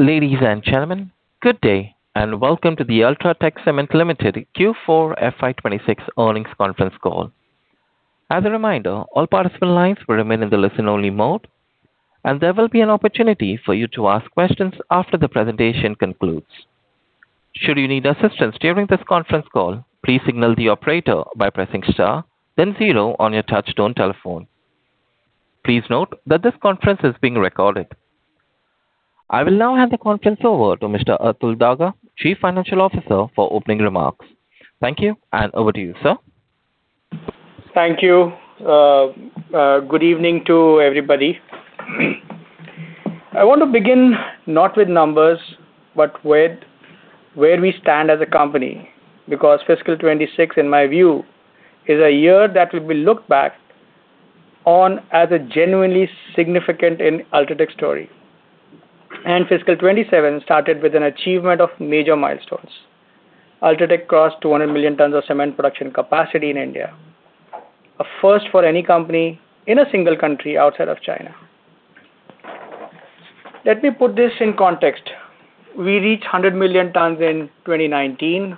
Ladies and gentlemen, good day, and welcome to the UltraTech Cement Limited Q4 FY 2026 earnings conference call. As a reminder, all participant lines will remain in the listen-only mode, and there will be an opportunity for you to ask questions after the presentation concludes. Should you need assistance during this conference call, please signal the operator by pressing star, then zero on your touchtone telephone. Please note that this conference is being recorded. I will now hand the conference over to Mr. Atul Daga, Chief Financial Officer, for opening remarks. Thank you, and over to you, sir. Thank you. Good evening to everybody. I want to begin not with numbers, but with where we stand as a company, because fiscal 2026, in my view, is a year that will be looked back on as a genuinely significant in UltraTech story. Fiscal 2027 started with an achievement of major milestones. UltraTech crossed 200 million tons of cement production capacity in India, a first for any company in a single country outside of China. Let me put this in context. We reached 100 million tons in 2019,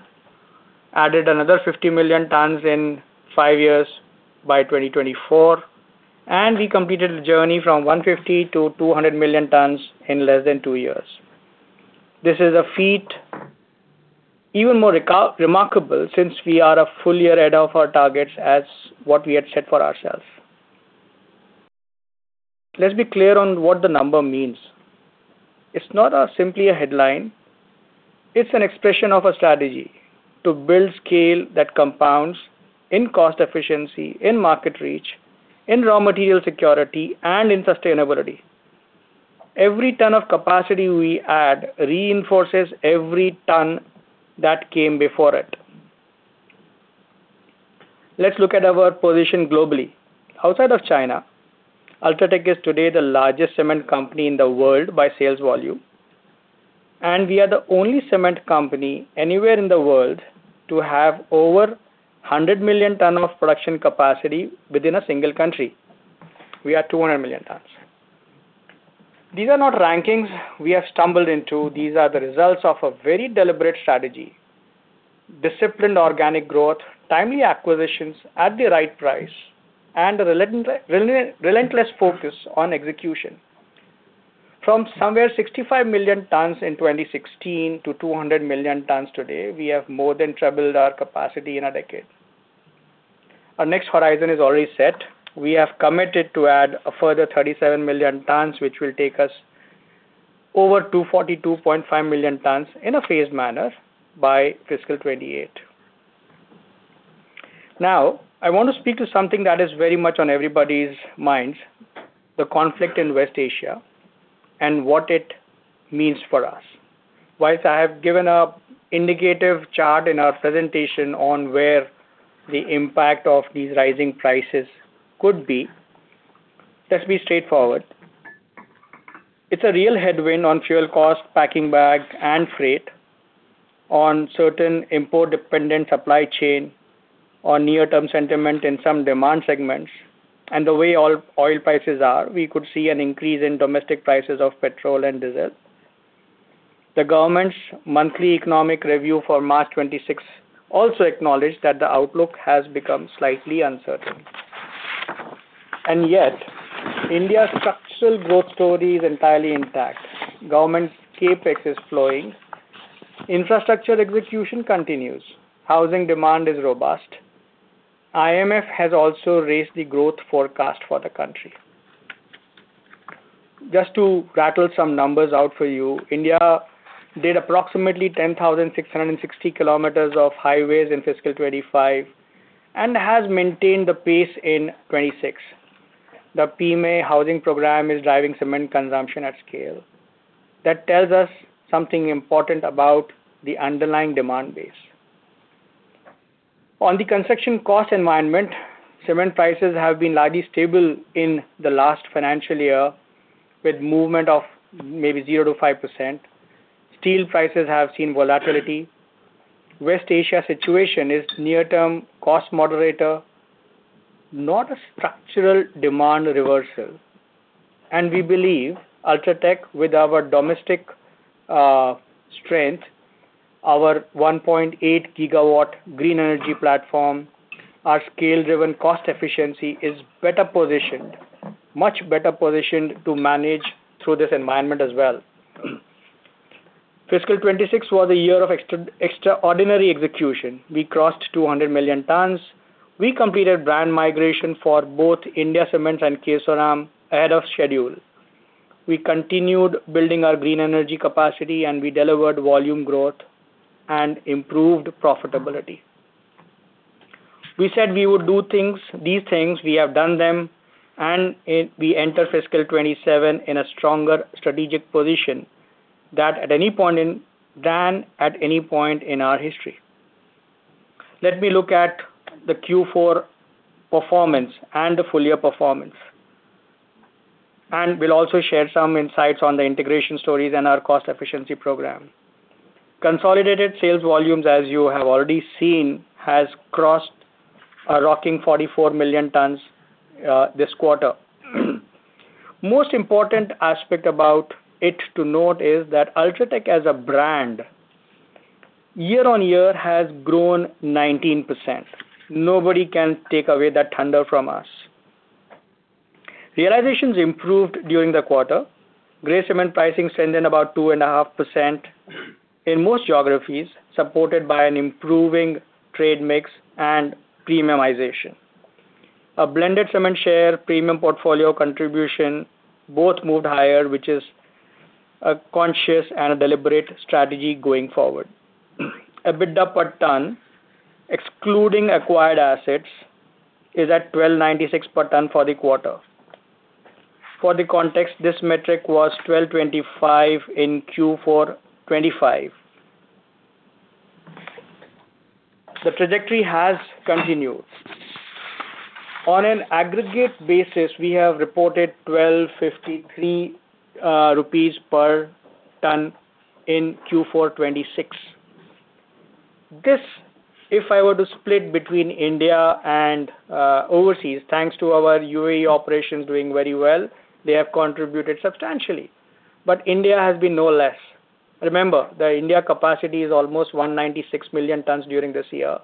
added another 50 million tons in five years by 2024, and we completed the journey from 150-200 million tons in less than two years. This is a feat even more remarkable since we are a full year ahead of our targets as what we had set for ourselves. Let's be clear on what the number means. It's not simply a headline. It's an expression of a strategy to build scale that compounds in cost efficiency, in market reach, in raw material security, and in sustainability. Every ton of capacity we add reinforces every ton that came before it. Let's look at our position globally. Outside of China, UltraTech is today the largest cement company in the world by sales volume, and we are the only cement company anywhere in the world to have over 100 million tons of production capacity within a single country. We are 200 million tons. These are not rankings we have stumbled into. These are the results of a very deliberate strategy, disciplined organic growth, timely acquisitions at the right price, and a relentless focus on execution. From somewhere 65 million tons in 2016 to 200 million tons today, we have more than tripled our capacity in a decade. Our next horizon is already set. We have committed to add a further 37 million tons, which will take us over 242.5 million tons in a phased manner by fiscal 2028. Now, I want to speak to something that is very much on everybody's minds, the conflict in West Asia and what it means for us. While I have given an indicative chart in our presentation on where the impact of these rising prices could be, let's be straightforward. It's a real headwind on fuel cost, pet coke and bag, and freight on certain import-dependent supply chain, on near-term sentiment in some demand segments, and the way oil prices are, we could see an increase in domestic prices of petrol and diesel. The government's Monthly Economic Review for March 2026 also acknowledged that the outlook has become slightly uncertain. Yet, India's structural growth story is entirely intact. Government's CapEx is flowing. Infrastructure execution continues. Housing demand is robust. IMF has also raised the growth forecast for the country. Just to rattle some numbers out for you, India did approximately 10,600 km of highways in fiscal 2025 and has maintained the pace in 2026. The PMAY housing program is driving cement consumption at scale. That tells us something important about the underlying demand base. On the construction cost environment, cement prices have been largely stable in the last financial year, with movement of maybe 0%-5%. Steel prices have seen volatility. West Asia situation is near-term cost moderator, not a structural demand reversal. We believe UltraTech, with our domestic strength, our 1.8 GW green energy platform, our scale-driven cost efficiency is better positioned, much better positioned to manage through this environment as well. Fiscal 2026 was a year of extraordinary execution. We crossed 200 million tons. We completed brand migration for both India Cements and Kesoram ahead of schedule. We continued building our green energy capacity, and we delivered volume growth and improved profitability. We said we would do these things, we have done them, and we enter Fiscal 2027 in a stronger strategic position than at any point in our history. Let me look at the Q4 performance and the full year performance. We'll also share some insights on the integration stories and our cost efficiency program. Consolidated sales volumes, as you have already seen, has crossed a record 44 million tons this quarter. Most important aspect about it to note is that UltraTech as a brand, year-on-year, has grown 19%. Nobody can take away that thunder from us. Realizations improved during the quarter. Grey cement pricing went up about 2.5% in most geographies, supported by an improving trade mix and premiumization. A blended cement share premium portfolio contribution both moved higher, which is a conscious and a deliberate strategy going forward. EBITDA per ton, excluding acquired assets, is at 1,296 per ton for the quarter. For context, this metric was 1,225 in Q4 2025. The trajectory has continued. On an aggregate basis, we have reported 1,253 rupees per ton in Q4 2026. This, if I were to split between India and overseas, thanks to our UAE operations doing very well, they have contributed substantially. India has been no less. Remember, the India capacity is almost 196 million tons during this year.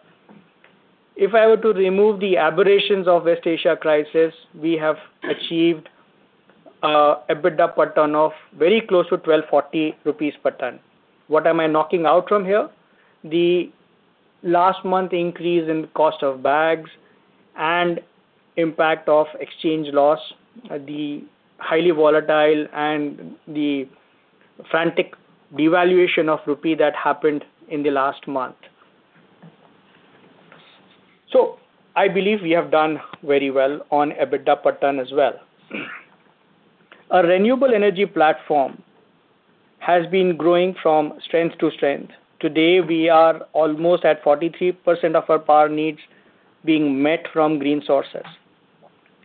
If I were to remove the aberrations of West Asia crisis, we have achieved EBITDA per ton of very close to 1,240 rupees per ton. What am I knocking out from here? The last month increase in cost of bags and impact of exchange loss, the highly volatile and the frantic devaluation of rupee that happened in the last month. I believe we have done very well on EBITDA per ton as well. Our renewable energy platform has been growing from strength to strength. Today, we are almost at 43% of our power needs being met from green sources.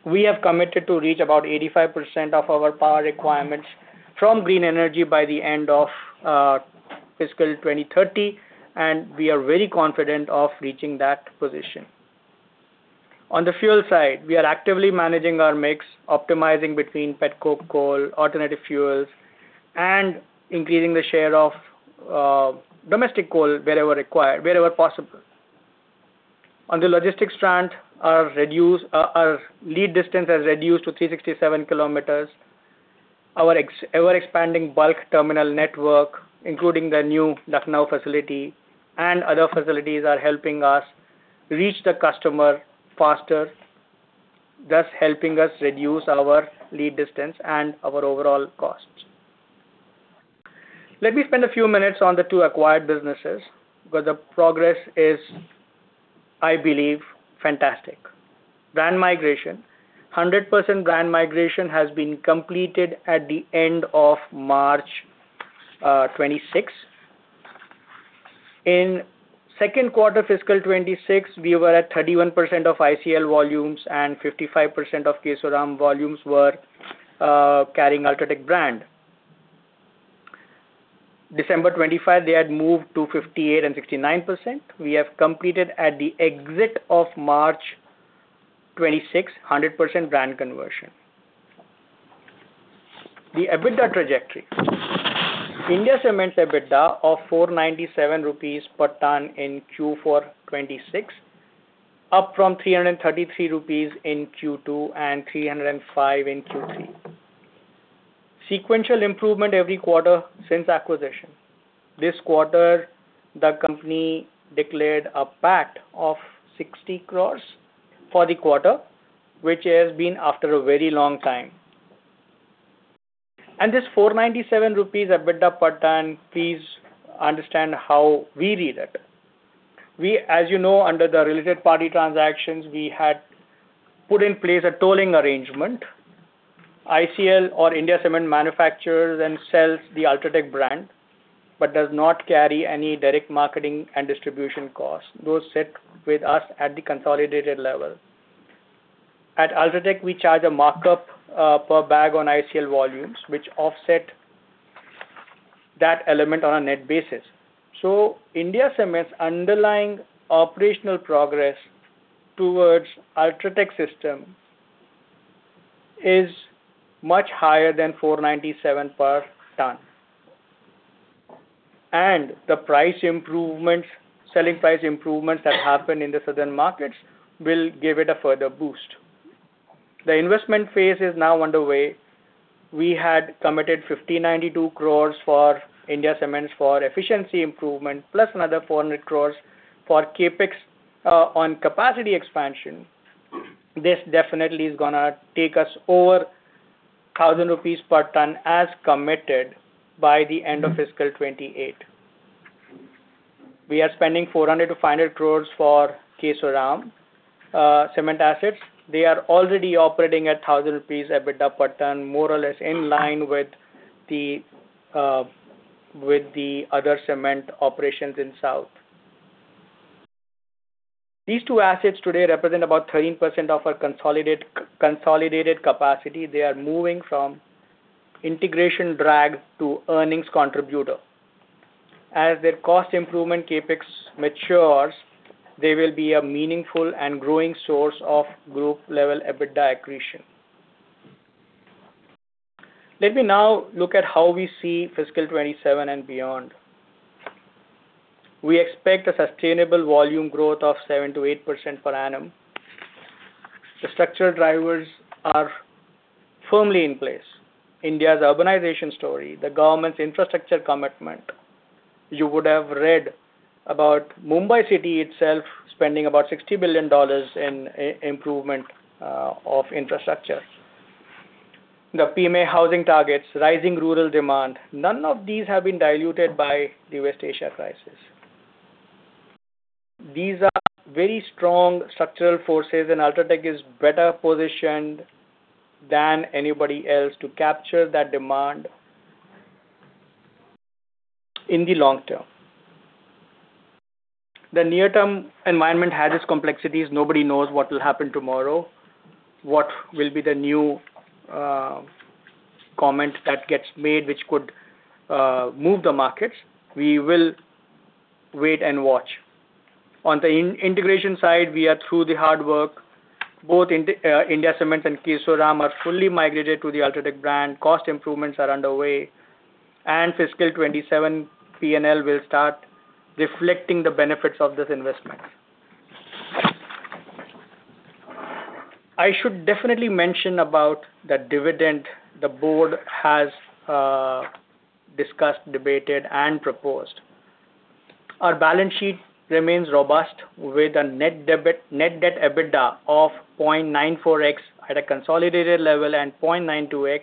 We have committed to reach about 85% of our power requirements from green energy by the end of fiscal 2030, and we are very confident of reaching that position. On the fuel side, we are actively managing our mix, optimizing between pet coke coal, alternative fuels, and increasing the share of domestic coal wherever required, wherever possible. On the logistics front, our lead distance has reduced to 367 km. Our expanding bulk terminal network, including the new Lucknow facility and other facilities, are helping us reach the customer faster, thus helping us reduce our lead distance and our overall costs. Let me spend a few minutes on the two acquired businesses, because the progress is, I believe, fantastic. Brand migration. 100% brand migration has been completed at the end of March 2026. In second quarter fiscal 2026, we were at 31% of ICL volumes, and 55% of Kesoram volumes were carrying UltraTech brand. December 2025, they had moved to 58% and 69%. We have completed at the exit of March 2026, 100% brand conversion. The EBITDA trajectory. India Cements EBITDA of 497 rupees per ton in Q4 2026, up from 333 rupees in Q2 and 305 in Q3. Sequential improvement every quarter since acquisition. This quarter, the company declared a PAT of 60 crore for the quarter, which has been after a very long time. This 497 rupees EBITDA per ton, please understand how we read it. We, as you know, under the related party transactions, we had put in place a tolling arrangement. ICL or India Cements manufactures and sells the UltraTech brand, but does not carry any direct marketing and distribution costs. Those sit with us at the consolidated level. At UltraTech, we charge a markup per bag on ICL volumes, which offset that element on a net basis. India Cements' underlying operational progress towards UltraTech system is much higher than 497 per ton. The price improvements, selling price improvements that happen in the southern markets will give it a further boost. The investment phase is now underway. We had committed 5,092 crores for India Cements for efficiency improvement, plus another 400 crores for CapEx on capacity expansion. This definitely is gonna take us over 1,000 rupees per ton as committed by the end of fiscal 2028. We are spending 400 crore-500 crore for Kesoram cement assets. They are already operating at 1,000 rupees EBITDA per ton, more or less in line with the other cement operations in South. These two assets today represent about 13% of our consolidated capacity. They are moving from integration drag to earnings contributor. As their cost improvement CapEx matures, they will be a meaningful and growing source of group level EBITDA accretion. Let me now look at how we see fiscal 2027 and beyond. We expect a sustainable volume growth of 7%-8% per annum. The structural drivers are firmly in place. India's urbanization story, the government's infrastructure commitment. You would have read about Mumbai city itself spending about $60 billion in improvement of infrastructure. The PMAY housing targets, rising rural demand. None of these have been diluted by the West Asia crisis. These are very strong structural forces, and UltraTech is better positioned than anybody else to capture that demand in the long term. The near-term environment has its complexities. Nobody knows what will happen tomorrow, what will be the new comment that gets made which could move the markets. We will wait and watch. On the integration side, we are through the hard work. Both India Cements and Kesoram are fully migrated to the UltraTech brand. Cost improvements are underway. Fiscal 2027 P&L will start reflecting the benefits of this investment. I should definitely mention about the dividend the board has discussed, debated, and proposed. Our balance sheet remains robust with a net debt EBITDA of 0.94x at a consolidated level and 0.92x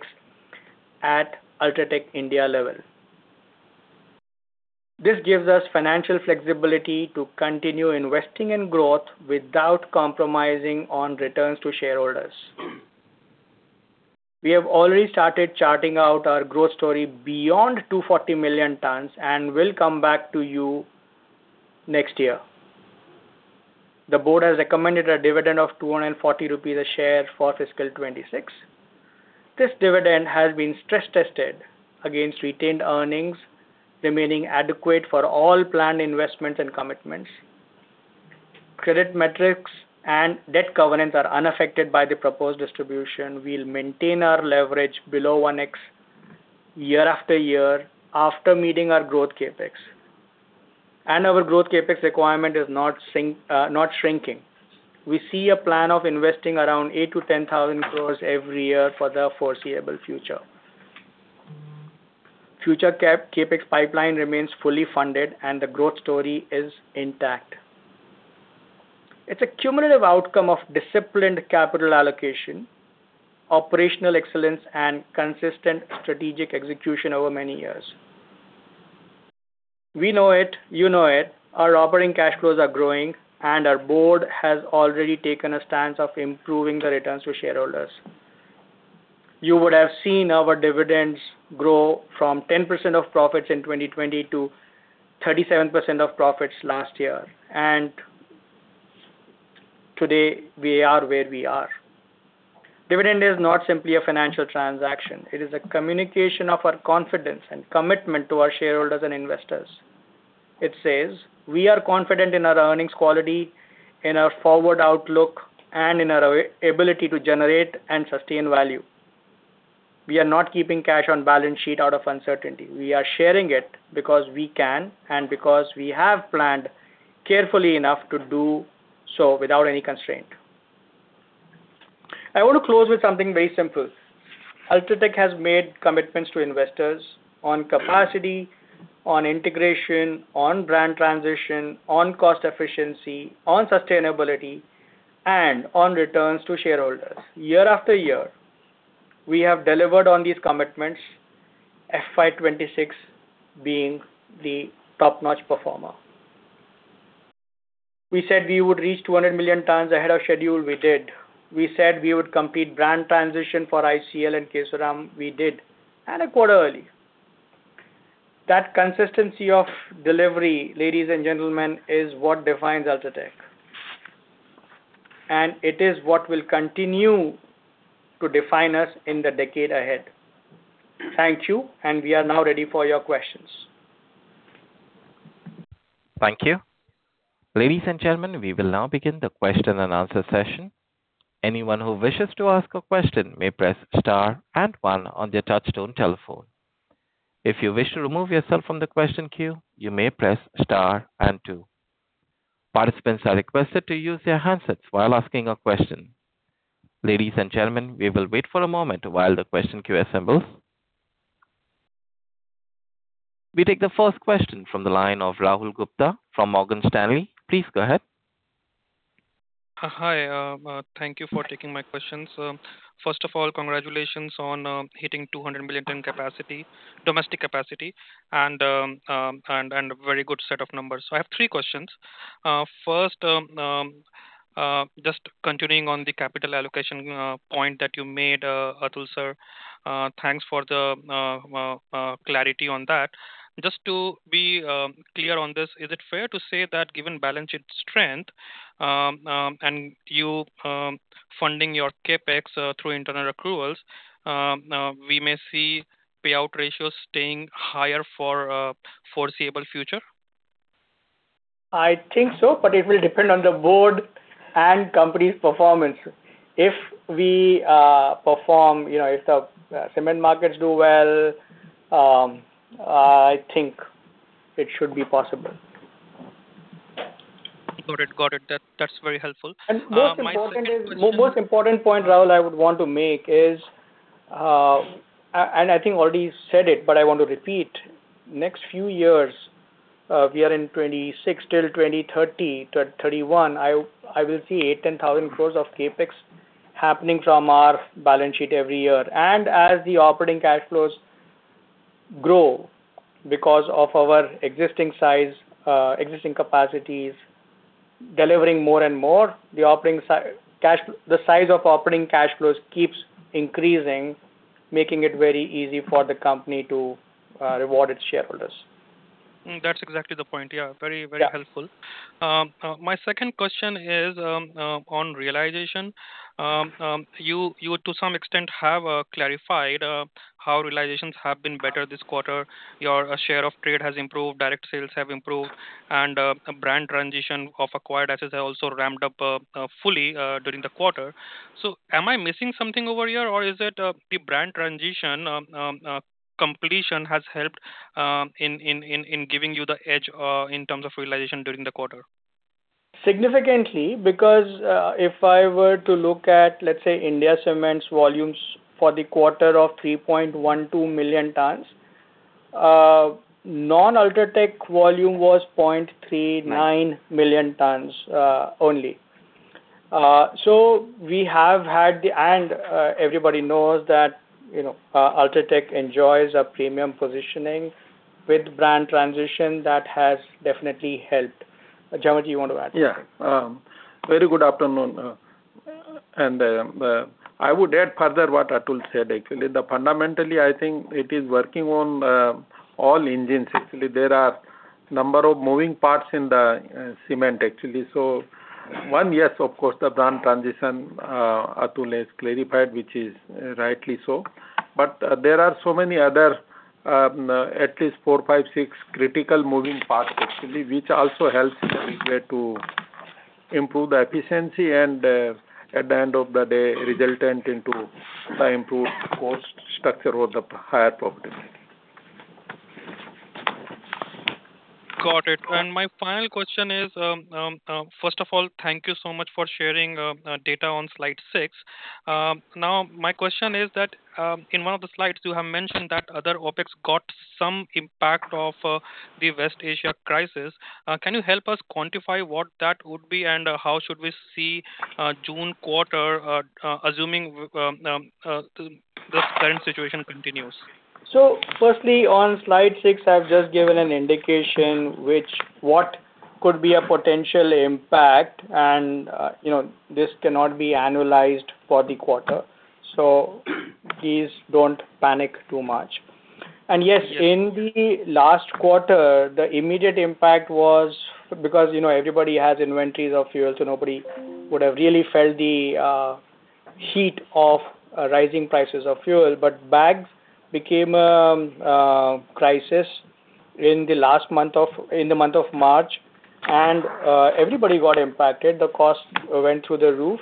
at UltraTech India level. This gives us financial flexibility to continue investing in growth without compromising on returns to shareholders. We have already started charting out our growth story beyond 240 million tons and will come back to you next year. The board has recommended a dividend of 240 rupees a share for fiscal 2026. This dividend has been stress tested against retained earnings, remaining adequate for all planned investments and commitments. Credit metrics and debt covenants are unaffected by the proposed distribution. We'll maintain our leverage below 1x year after year after meeting our growth CapEx. Our growth CapEx requirement is not shrinking. We see a plan of investing around 8,000 crore-10,000 crore every year for the foreseeable future. Future CapEx pipeline remains fully funded, and the growth story is intact. It's a cumulative outcome of disciplined capital allocation, operational excellence and consistent strategic execution over many years. We know it. You know it. Our operating cash flows are growing, and our board has already taken a stance of improving the returns to shareholders. You would have seen our dividends grow from 10% of profits in 2022 to 37% of profits last year. Today we are where we are. Dividend is not simply a financial transaction. It is a communication of our confidence and commitment to our shareholders and investors. It says we are confident in our earnings quality, in our forward outlook, and in our ability to generate and sustain value. We are not keeping cash on balance sheet out of uncertainty. We are sharing it because we can and because we have planned carefully enough to do so without any constraint. I want to close with something very simple. UltraTech has made commitments to investors on capacity, on integration, on brand transition, on cost efficiency, on sustainability, and on returns to shareholders. Year after year, we have delivered on these commitments. FY 2026 being the top-notch performer. We said we would reach 200 million tons ahead of schedule. We did. We said we would complete brand transition for ICL and Kesoram. We did, and a quarter early. That consistency of delivery, ladies and gentlemen, is what defines UltraTech. It is what will continue to define us in the decade ahead. Thank you, and we are now ready for your questions. Thank you. Ladies and gentlemen, we will now begin the question and answer session. Anyone who wishes to ask a question may press star and one on their touchtone telephone. If you wish to remove yourself from the question queue, you may press star and two. Participants are requested to use their handsets while asking a question. Ladies and gentlemen, we will wait for a moment while the question queue assembles. We take the first question from the line of Rahul Gupta from Morgan Stanley. Please go ahead. Hi. Thank you for taking my questions. First of all, congratulations on hitting 200 million ton capacity, domestic capacity and very good set of numbers. I have three questions. First, just continuing on the capital allocation point that you made, Atul, sir. Thanks for the clarity on that. Just to be clear on this, is it fair to say that given balance sheet strength and you funding your CapEx through internal accruals, we may see payout ratios staying higher for foreseeable future? I think so, but it will depend on the board and company's performance. If we perform, you know, if the cement markets do well, I think it should be possible. Got it. That's very helpful. Most important is. My second question is. Most important point, Rahul, I would want to make is, and I think already said it, but I want to repeat. Next few years, we are in 2026 till 2030-2031, I will see 8,000 crore-10,000 crore of CapEx happening from our balance sheet every year. As the operating cash flows grow because of our existing size, existing capacities delivering more and more, the size of operating cash flows keeps increasing, making it very easy for the company to reward its shareholders. That's exactly the point. Yeah. Very, very helpful. Yeah. My second question is on realization. You to some extent have clarified how realizations have been better this quarter. Your share of trade has improved, direct sales have improved, and brand transition of acquired assets has also ramped up fully during the quarter. Am I missing something over here? Or is it the brand transition completion has helped in giving you the edge in terms of realization during the quarter? Significantly, because if I were to look at, let's say, India Cements' volumes for the quarter of 3.12 million tons, non-UltraTech volume was 0.39 million tons only. So we have had. Everybody knows that, you know, UltraTech enjoys a premium positioning. With brand transition, that has definitely helped. Jhanwar, do you want to add something? Yeah. Very good afternoon. I would add further what Atul said, actually. That fundamentally I think it is working on all engines. Actually, there are number of moving parts in the cement, actually. One, yes, of course, the brand transition, Atul has clarified, which is rightly so. There are so many other at least four, five, six critical moving parts actually, which also helps in a big way to improve the efficiency and at the end of the day, resultant into the improved cost structure or the higher profitability. Got it. My final question is, first of all, thank you so much for sharing data on slide six. Now my question is that, in one of the slides you have mentioned that other OpEx got some impact of the West Asia crisis. Can you help us quantify what that would be? How should we see June quarter assuming the current situation continues? Firstly, on slide six, I've just given an indication of what could be a potential impact and, you know, this cannot be annualized for the quarter. Please don't panic too much. Yes, in the last quarter, the immediate impact was because, you know, everybody has inventories of fuel, so nobody would have really felt the heat of rising prices of fuel. Bags became a crisis in the month of March. Everybody got impacted. The cost went through the roof.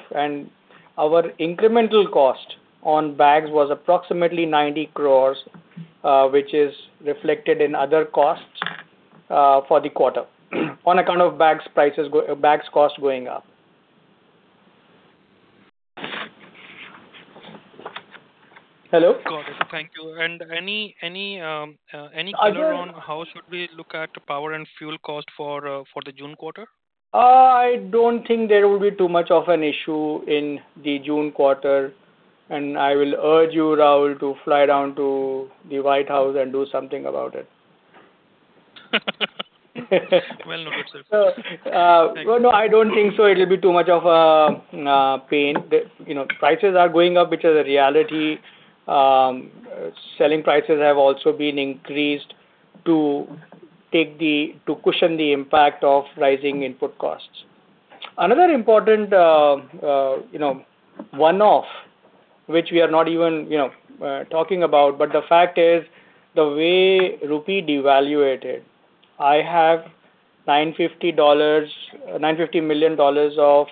Our incremental cost on bags was approximately 90 crores, which is reflected in other costs for the quarter on account of bags cost going up. Hello? Got it. Thank you. Any color on how should we look at power and fuel cost for the June quarter? I don't think there will be too much of an issue in the June quarter. I will urge you, Rahul, to fly down to the White House and do something about it. Well noted, sir. So, uh- Thank you. Well, no, I don't think so it'll be too much of a pain. You know, prices are going up, which is a reality. Selling prices have also been increased to cushion the impact of rising input costs. Another important, you know, one-off, which we are not even, you know, talking about, but the fact is the way rupee depreciated. I have $950 million of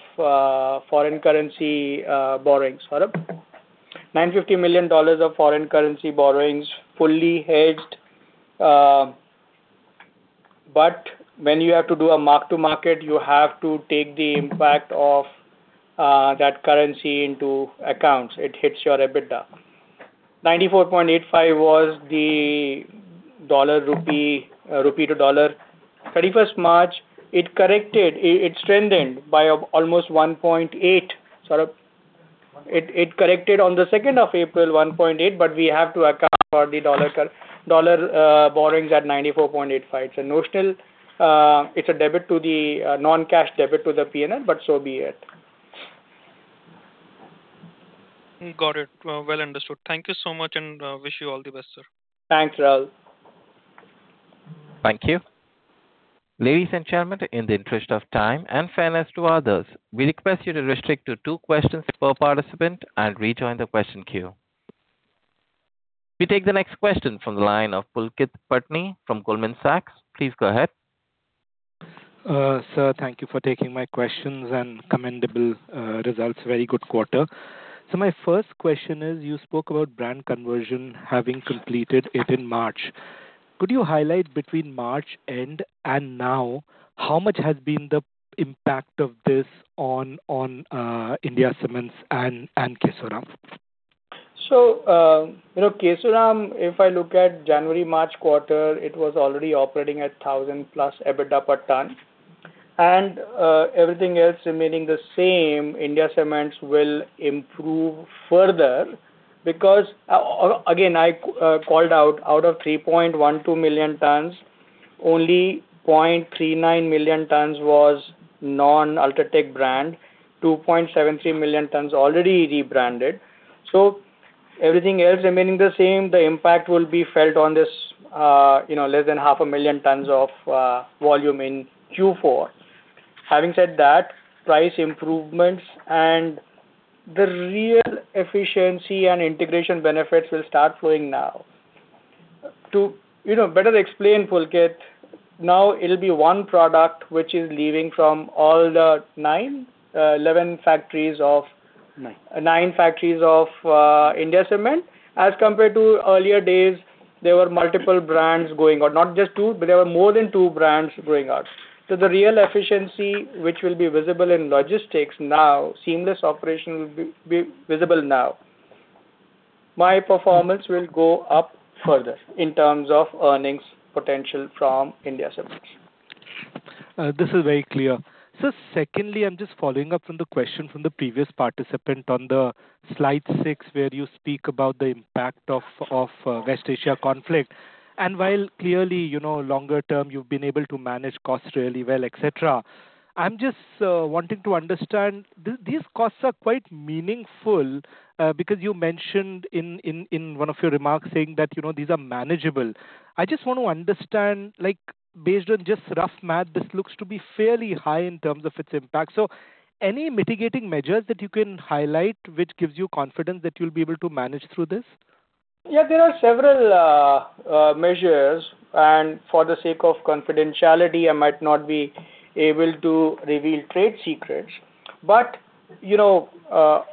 foreign currency borrowings. Saurabh? $950 million of foreign currency borrowings, fully hedged. But when you have to do a mark-to-market, you have to take the impact of that currency into account. It hits your EBITDA. 94.85 was the dollar rupee to dollar. 31st March, it corrected. It strengthened by almost 1.8. Saurabh? It corrected on the second of April, 1.8, but we have to account for the dollar borrowings at 94.85. No, still, it's a non-cash debit to the P&L, but so be it. Got it. Well understood. Thank you so much, and wish you all the best, sir. Thanks, Rahul. Thank you. Ladies and gentlemen, in the interest of time and fairness to others, we request you to restrict to two questions per participant and rejoin the question queue. We take the next question from the line of Pulkit Patni from Goldman Sachs. Please go ahead. Sir, thank you for taking my questions, and commendable results. Very good quarter. My first question is, you spoke about brand conversion having completed it in March. Could you highlight between March end and now how much has been the impact of this on India Cements and Kesoram? You know, Kesoram, if I look at January-March quarter, it was already operating at 1,000+ EBITDA per ton. Everything else remaining the same, India Cements will improve further because again I called out of 3.12 million tons, only 0.39 million tons was non-UltraTech brand. 2.73 million tons already rebranded. Everything else remaining the same, the impact will be felt on this, you know, less than 500,000 tons of volume in Q4. Having said that, price improvements and the real efficiency and integration benefits will start flowing now. To, you know, better explain, Pulkit, now it'll be one product which is leaving from all the nine, 11 factories of- Nine. Nine factories of India Cements. As compared to earlier days, there were multiple brands going out. Not just two, but there were more than two brands going out. The real efficiency which will be visible in logistics now, seamless operation will be visible now. My performance will go up further in terms of earnings potential from India Cements. This is very clear. Secondly, I'm just following up from the question from the previous participant on the slide six, where you speak about the impact of West Asia conflict. While clearly, you know, longer term you've been able to manage costs really well, et cetera. I'm just wanting to understand, these costs are quite meaningful, because you mentioned in one of your remarks saying that, you know, these are manageable. I just want to understand, like based on just rough math, this looks to be fairly high in terms of its impact. So any mitigating measures that you can highlight which gives you confidence that you'll be able to manage through this? Yeah, there are several measures, and for the sake of confidentiality, I might not be able to reveal trade secrets. You know,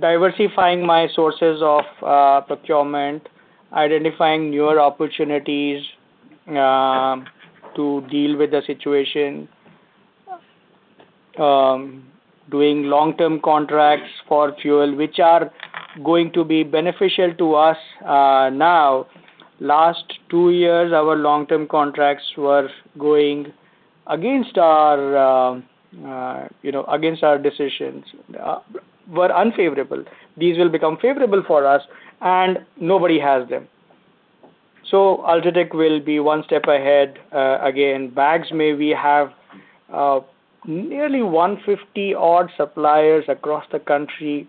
diversifying my sources of procurement, identifying newer opportunities to deal with the situation, doing long-term contracts for fuel, which are going to be beneficial to us now. In the last two years, our long-term contracts were going against our decisions, were unfavorable. These will become favorable for us, and nobody has them. UltraTech will be one step ahead. Again, we have nearly 150-odd suppliers across the country.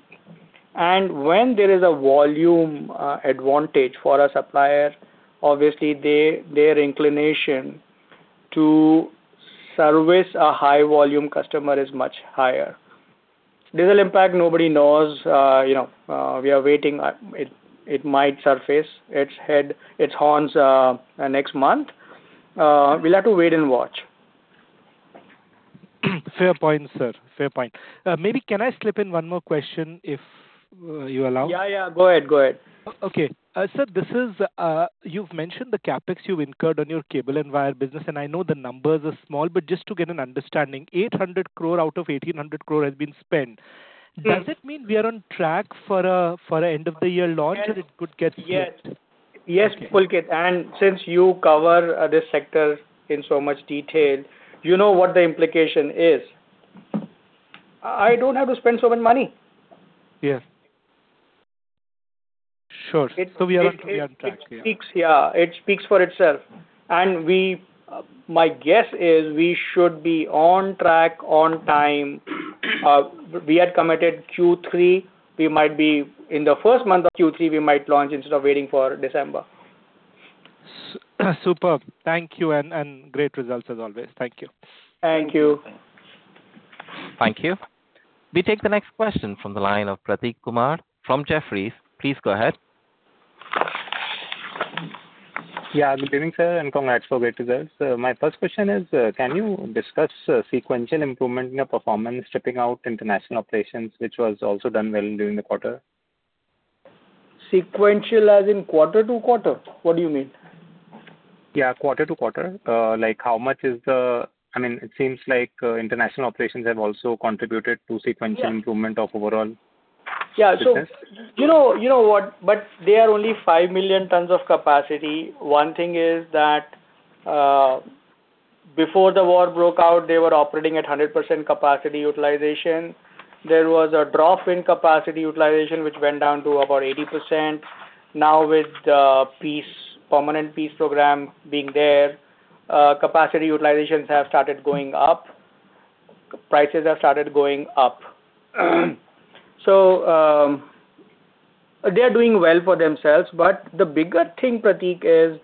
When there is a volume advantage for a supplier, obviously their inclination to service a high volume customer is much higher. Diesel impact, nobody knows. You know, we are waiting. It might surface its head, its horns next month. We'll have to wait and watch. Fair point, sir. Fair point. Maybe can I slip in one more question if you allow? Yeah, go ahead. Okay. Sir, this is, you've mentioned the CapEx you've incurred on your cable and wire business, and I know the numbers are small, but just to get an understanding, 800 crore out of 1,800 crore has been spent. Yes. Does it mean we are on track for an end of the year launch? Yes. It could get flipped? Yes. Okay. Pulkit, since you cover this sector in so much detail, you know what the implication is. I don't have to spend so much money. Yes. Sure. It- We are on track. Yeah. Yeah, it speaks for itself. We, my guess is we should be on track, on time. We had committed Q3. We might be in the first month of Q3, we might launch instead of waiting for December. Superb. Thank you, and great results as always. Thank you. Thank you. Thank you. We take the next question from the line of Prateek Kumar from Jefferies. Please go ahead. Yeah. Good evening, sir, and congrats for great results. My first question is, can you discuss sequential improvement in your performance, stripping out international operations, which was also done well during the quarter? Sequential as in quarter-over-quarter? What do you mean? Yeah, quarter-over-quarter. Like how much is the? I mean, it seems like international operations have also contributed to sequential Yeah. Improvement of overall business. They are only 5 million tons of capacity. One thing is that before the war broke out, they were operating at 100% capacity utilization. There was a drop in capacity utilization which went down to about 80%. Now, with the peace, permanent peace program being there, capacity utilizations have started going up. Prices have started going up. They are doing well for themselves. The bigger thing, Prateek, is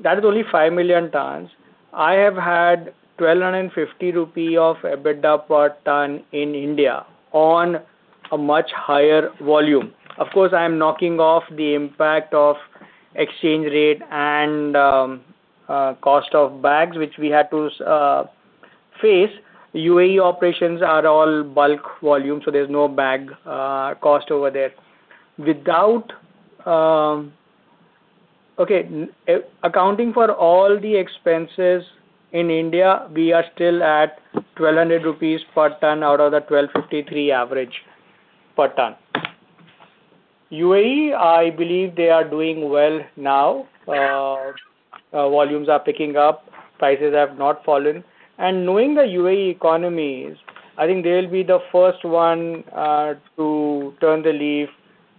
that is only 5 million tons. I have had 1,250 rupee of EBITDA per ton in India on a much higher volume. Of course, I am knocking off the impact of exchange rate and cost of bags, which we had to face. UAE operations are all bulk volume, so there's no bag cost over there. Okay. Accounting for all the expenses in India, we are still at 1,200 rupees per ton out of the 1,253 average per ton. UAE, I believe they are doing well now. Volumes are picking up, prices have not fallen. Knowing the UAE economies, I think they'll be the first one to turn the leaf,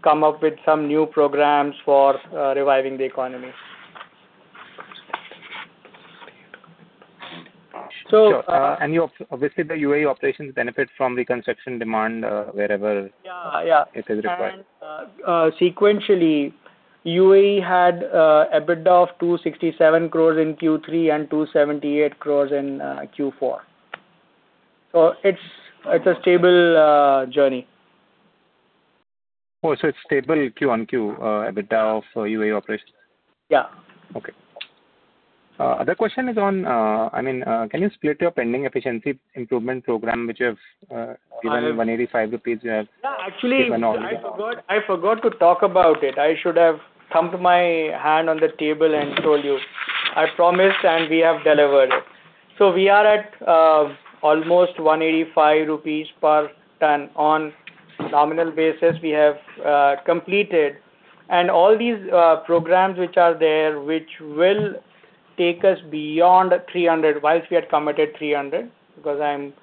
come up with some new programs for reviving the economy. Sure. You obviously the UAE operations benefit from the construction demand, Yeah. Yeah Wherever it is required? Sequentially, UAE had EBITDA of 267 crore in Q3 and 278 crore in Q4. It's a stable journey. Oh, it's stable QoQ, EBITDA for UAE operations? Yeah. Okay. Other question is on, I mean, can you split your pending efficiency improvement program which you have given 185 rupees you have- Yeah. Actually I forgot to talk about it. I should have thumped my hand on the table and told you. I promised, and we have delivered. We are at almost 185 rupees per ton on nominal basis. We have completed. All these programs which are there, which will take us beyond 300, while we had committed 300, because I'm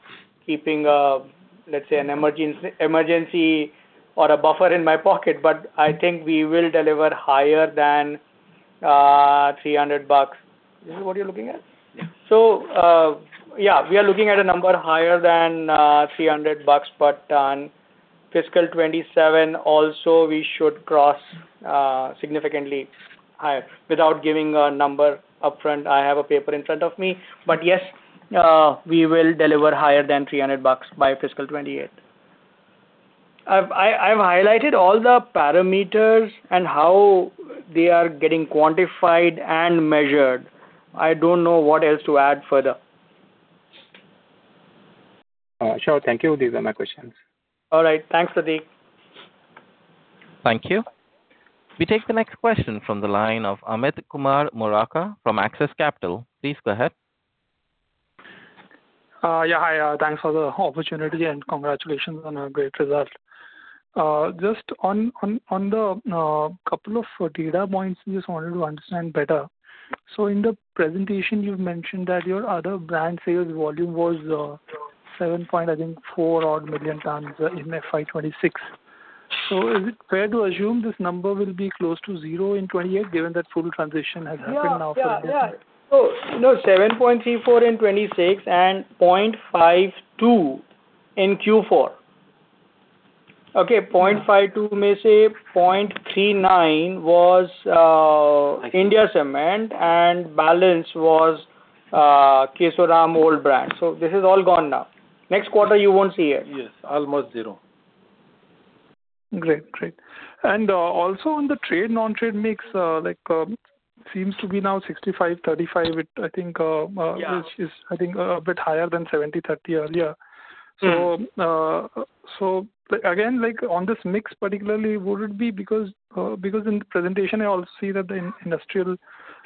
keeping, let's say an emergency or a buffer in my pocket, but I think we will deliver higher than INR 300. Is this what you're looking at? Yeah, we are looking at a number higher than INR 300 per ton. Fiscal 2027 also we should cross significantly higher. Without giving a number upfront, I have a paper in front of me. Yes, we will deliver higher than INR 300 by fiscal 2028. I've highlighted all the parameters and how they are getting quantified and measured. I don't know what else to add further. Sure. Thank you. These are my questions. All right. Thanks, Prateek. Thank you. We take the next question from the line of Amit Kumar Morarka from Axis Capital. Please go ahead. Yeah. Hi. Thanks for the opportunity, and congratulations on a great result. Just on the couple of data points, just wanted to understand better. In the presentation, you've mentioned that your other brand sales volume was 7.4-odd million tons in FY 2026. Is it fair to assume this number will be close to zero in 2028, given that full transition has happened now for a bit? No, 7.34 millon tons in 2026 and 0.52 in Q4. Okay. 0.52, i.e., 0.39 was India Cements and balance was Kesoram old brand. This is all gone now. Next quarter you won't see it. Yes. Almost zero. Great. Also on the trade, non-trade mix, like, seems to be now 65/35 with I think Yeah which is I think a bit higher than 70/30 earlier. Mm-hmm. Again, like on this mix particularly, would it be because in the presentation I also see that the industrial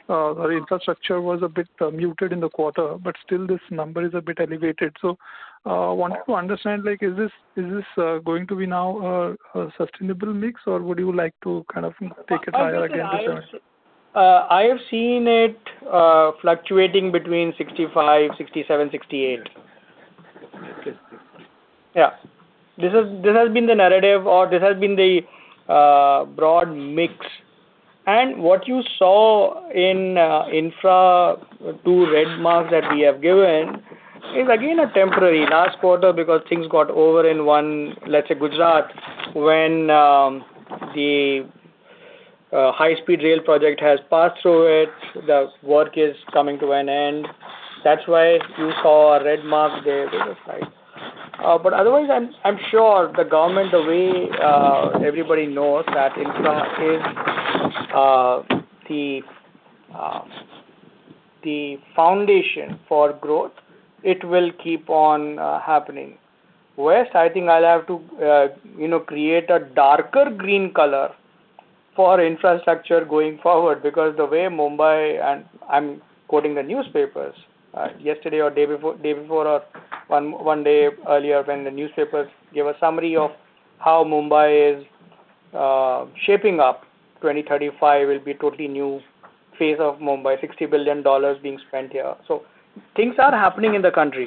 or infrastructure was a bit muted in the quarter, but still this number is a bit elevated. I wanted to understand like, is this going to be now a sustainable mix or would you like to kind of take a trial again this time? I have seen it fluctuating between 65%, 67%, 68%. Okay. Yeah. This has been the narrative or the broad mix. What you saw in infra, two red marks that we have given is again a temporary last quarter because things got over in one, let's say Gujarat when the high speed rail project has passed through it. The work is coming to an end. That's why you saw a red mark there. Otherwise, I'm sure the government, the way everybody knows that infra is the foundation for growth, it will keep on happening. West, I think I'll have to, you know, create a darker green color for infrastructure going forward because the way Mumbai, and I'm quoting the newspapers, yesterday or day before or one day earlier when the newspapers gave a summary of how Mumbai is shaping up, 2035 will be totally new phase of Mumbai. $60 billion being spent here. Things are happening in the country.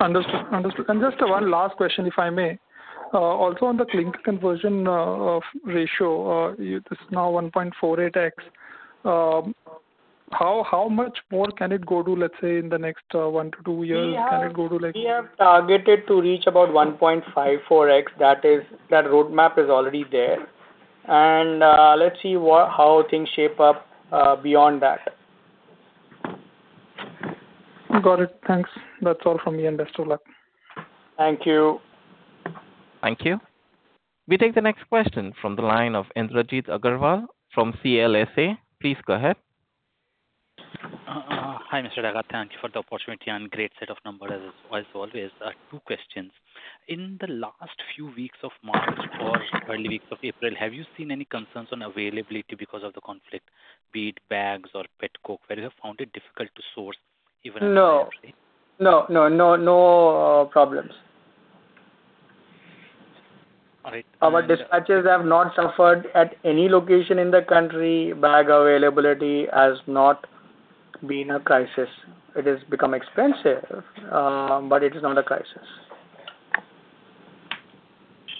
Understood. Just one last question, if I may. Also on the clinker conversion of ratio. It is now 1.48x. How much more can it go to, let's say in the next one to two years? Can it go to like- We have targeted to reach about 1.54x. That roadmap is already there. Let's see how things shape up beyond that. Got it. Thanks. That's all from me and best of luck. Thank you. Thank you. We take the next question from the line of Indrajit Agarwal from CLSA. Please go ahead. Hi, Mr. Daga. Thank you for the opportunity and great set of numbers as always. Two questions. In the last few weeks of March or early weeks of April, have you seen any concerns on availability because of the conflict, be it bags or pet coke, where you have found it difficult to source even at No problems. All right. Our dispatches have not suffered at any location in the country. Bag availability has not been a crisis. It has become expensive, but it is not a crisis.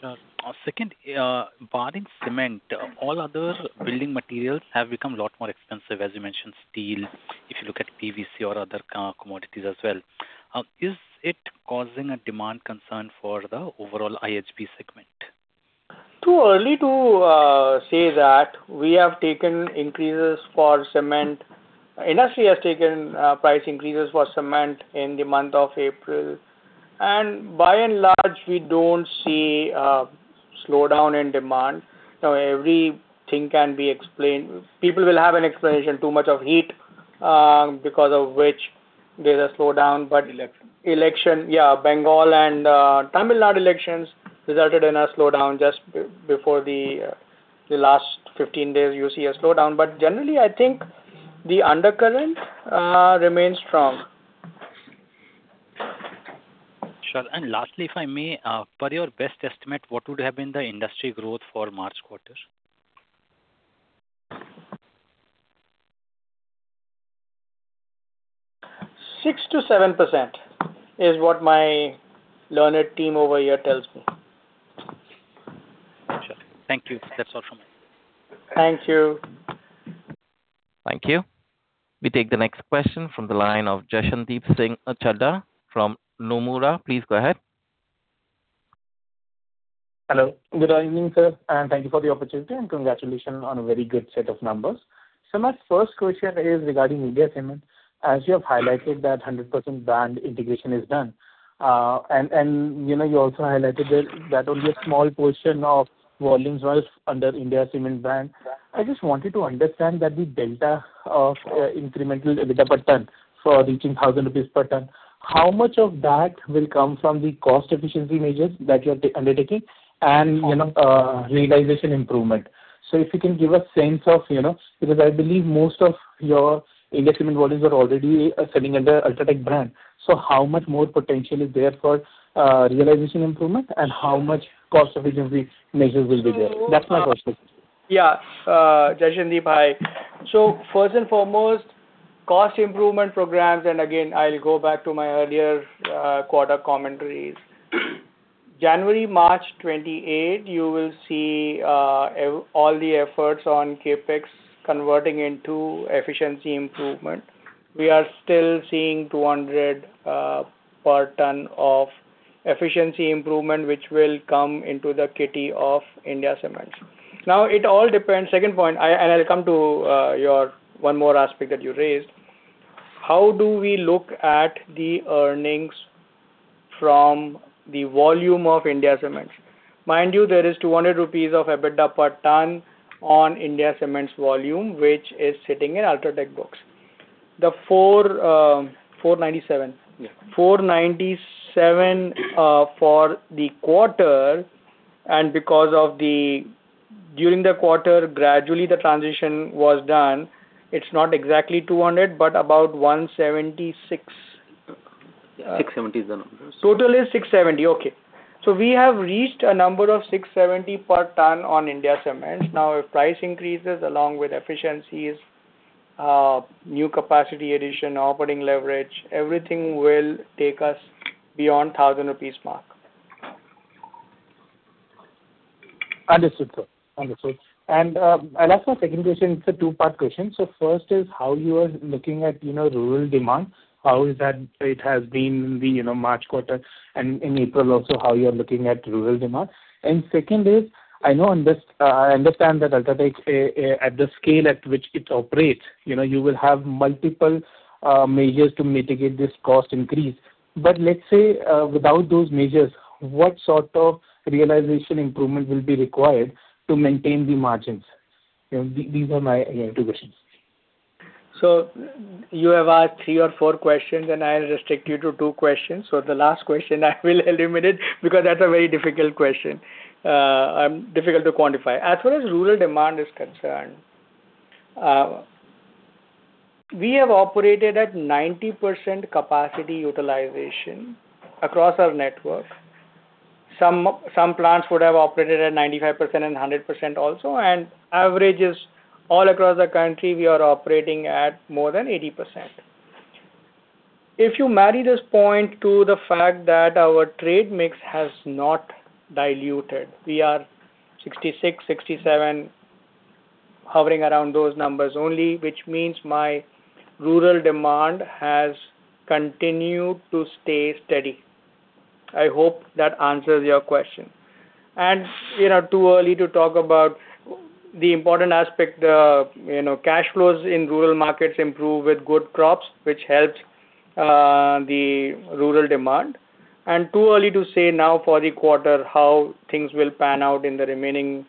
Sure. Second, barring cement, all other building materials have become a lot more expensive, as you mentioned, steel, if you look at PVC or other commodities as well. Is it causing a demand concern for the overall IHB segment? Too early to say that. We have taken increases for cement. Industry has taken price increases for cement in the month of April. By and large, we don't see a slowdown in demand. Now, everything can be explained. People will have an explanation, too much heat, because of which there's a slowdown. But Election. Election, yeah, Bengal and Tamil Nadu elections resulted in a slowdown just before the last 15 days you see a slowdown. Generally, I think the undercurrent remains strong. Sure. Lastly, if I may, per your best estimate, what would have been the industry growth for March quarter? 6%-7% is what my learned team over here tells me. Sure. Thank you. That's all from me. Thank you. Thank you. We take the next question from the line of Jashandeep Singh Chadha from Nomura. Please go ahead. Hello. Good evening, sir, and thank you for the opportunity, and congratulations on a very good set of numbers. My first question is regarding India Cements. As you have highlighted that 100% brand integration is done. You know, you also highlighted that only a small portion of volumes was under India Cements brand. I just wanted to understand that the delta of incremental EBITDA per ton for reaching 1,000 rupees per ton, how much of that will come from the cost efficiency measures that you are undertaking and, you know, realization improvement. If you can give a sense of, you know. Because I believe most of your India Cements volumes are already selling under UltraTech brand. How much more potential is there for realization improvement and how much cost efficiency measures will be there? That's my first question. Jashandeep, hi. First and foremost, cost improvement programs, and again, I'll go back to my earlier quarter commentaries. January, March 2028, you will see all the efforts on CapEx converting into efficiency improvement. We are still seeing 200 per ton of efficiency improvement, which will come into the kitty of India Cements. Now, it all depends. Second point, I'll come to your one more aspect that you raised. How do we look at the earnings from the volume of India Cements? Mind you, there is 200 rupees of EBITDA per ton on India Cements volume, which is sitting in UltraTech books. The 497. Yeah. 497 for the quarter. During the quarter, gradually the transition was done. It's not exactly 200, but about 176. 670 is the number. Total is 670. Okay. We have reached a number of 670 per ton on India Cements. Now, if price increases along with efficiencies, new capacity addition, operating leverage, everything will take us beyond 1,000 rupees mark. Understood, sir. Understood. I'll ask my second question. It's a two-part question. First is how you are looking at, you know, rural demand. How has that been in the, you know, March quarter and in April also, how you are looking at rural demand? Second is, I know, I understand that UltraTech's, at the scale at which it operates, you know, you will have multiple, measures to mitigate this cost increase. Let's say, without those measures, what sort of realization improvement will be required to maintain the margins? You know, these are my, you know, two questions. You have asked three or four questions, and I'll restrict you to two questions. The last question I will eliminate because that's a very difficult question, difficult to quantify. As far as rural demand is concerned, we have operated at 90% capacity utilization across our network. Some plants would have operated at 95% and 100% also. The average is all across the country, we are operating at more than 80%. If you marry this point to the fact that our trade mix has not diluted. We are 66%, 67%, hovering around those numbers only, which means my rural demand has continued to stay steady. I hope that answers your question. You know, too early to talk about the important aspect, you know, cash flows in rural markets improve with good crops, which helps the rural demand. Too early to say now for the quarter how things will pan out in the remaining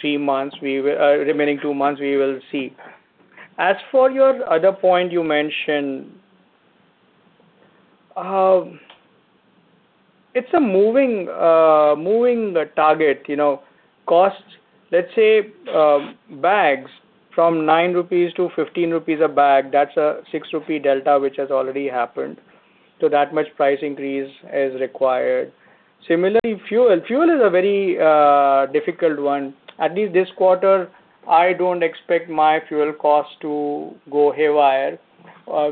three months. Remaining two months, we will see. As for your other point you mentioned, it's a moving target. You know, costs, let's say, bags from 9-15 rupees a bag. That's a 6 rupee delta which has already happened. That much price increase is required. Similarly, fuel. Fuel is a very difficult one. At least this quarter, I don't expect my fuel cost to go haywire.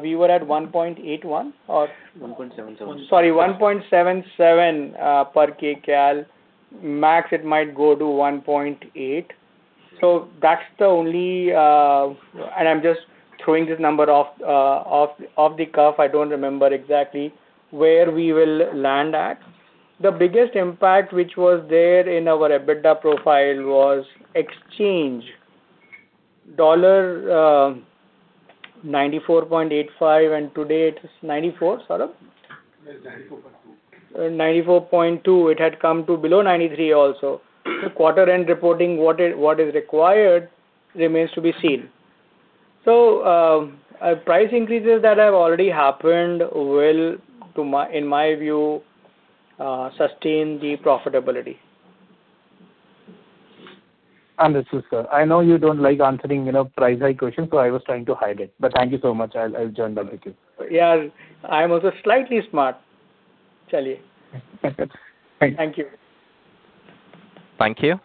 We were at 1.81 or- 1.77. Sorry, 1.77 per Kcal. Max it might go to 1.8. That's the only. I'm just throwing this number off the cuff. I don't remember exactly where we will land at. The biggest impact which was there in our EBITDA profile was exchange $94.85, and today it is $94. Saurabh? It's $94.2. $94.2 it had come to below $93 also. Quarter-end reporting, what is required remains to be seen. Price increases that have already happened will, in my view, sustain the profitability. Understood, sir. I know you don't like answering, you know, price hike questions, so I was trying to hide it. But thank you so much. I'll join back with you. Yeah. I'm also slightly smart. Okay. Thank you. Thank you. Thank you.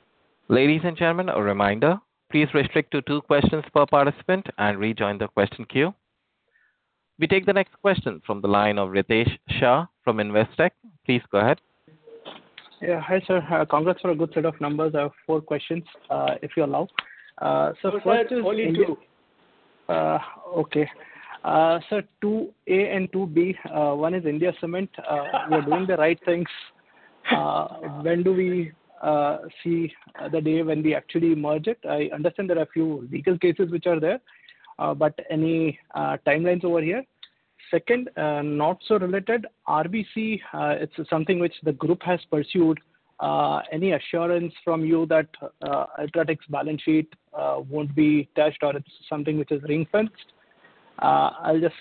Ladies and gentlemen, a reminder, please restrict to two questions per participant and rejoin the question queue. We take the next question from the line of Ritesh Shah from Investec. Please go ahead. Yeah. Hi, sir. Congrats for a good set of numbers. I have four questions, if you allow. First is- No sir, only two. Okay. Sir, 2A and 2B. One is India Cements. We're doing the right things. When do we see the day when we actually merge it? I understand there are a few legal cases which are there. But any timelines over here? Second, not so related. RBC, it's something which the group has pursued. Any assurance from you that UltraTech's balance sheet won't be touched or it's something which is ring-fenced? I'll just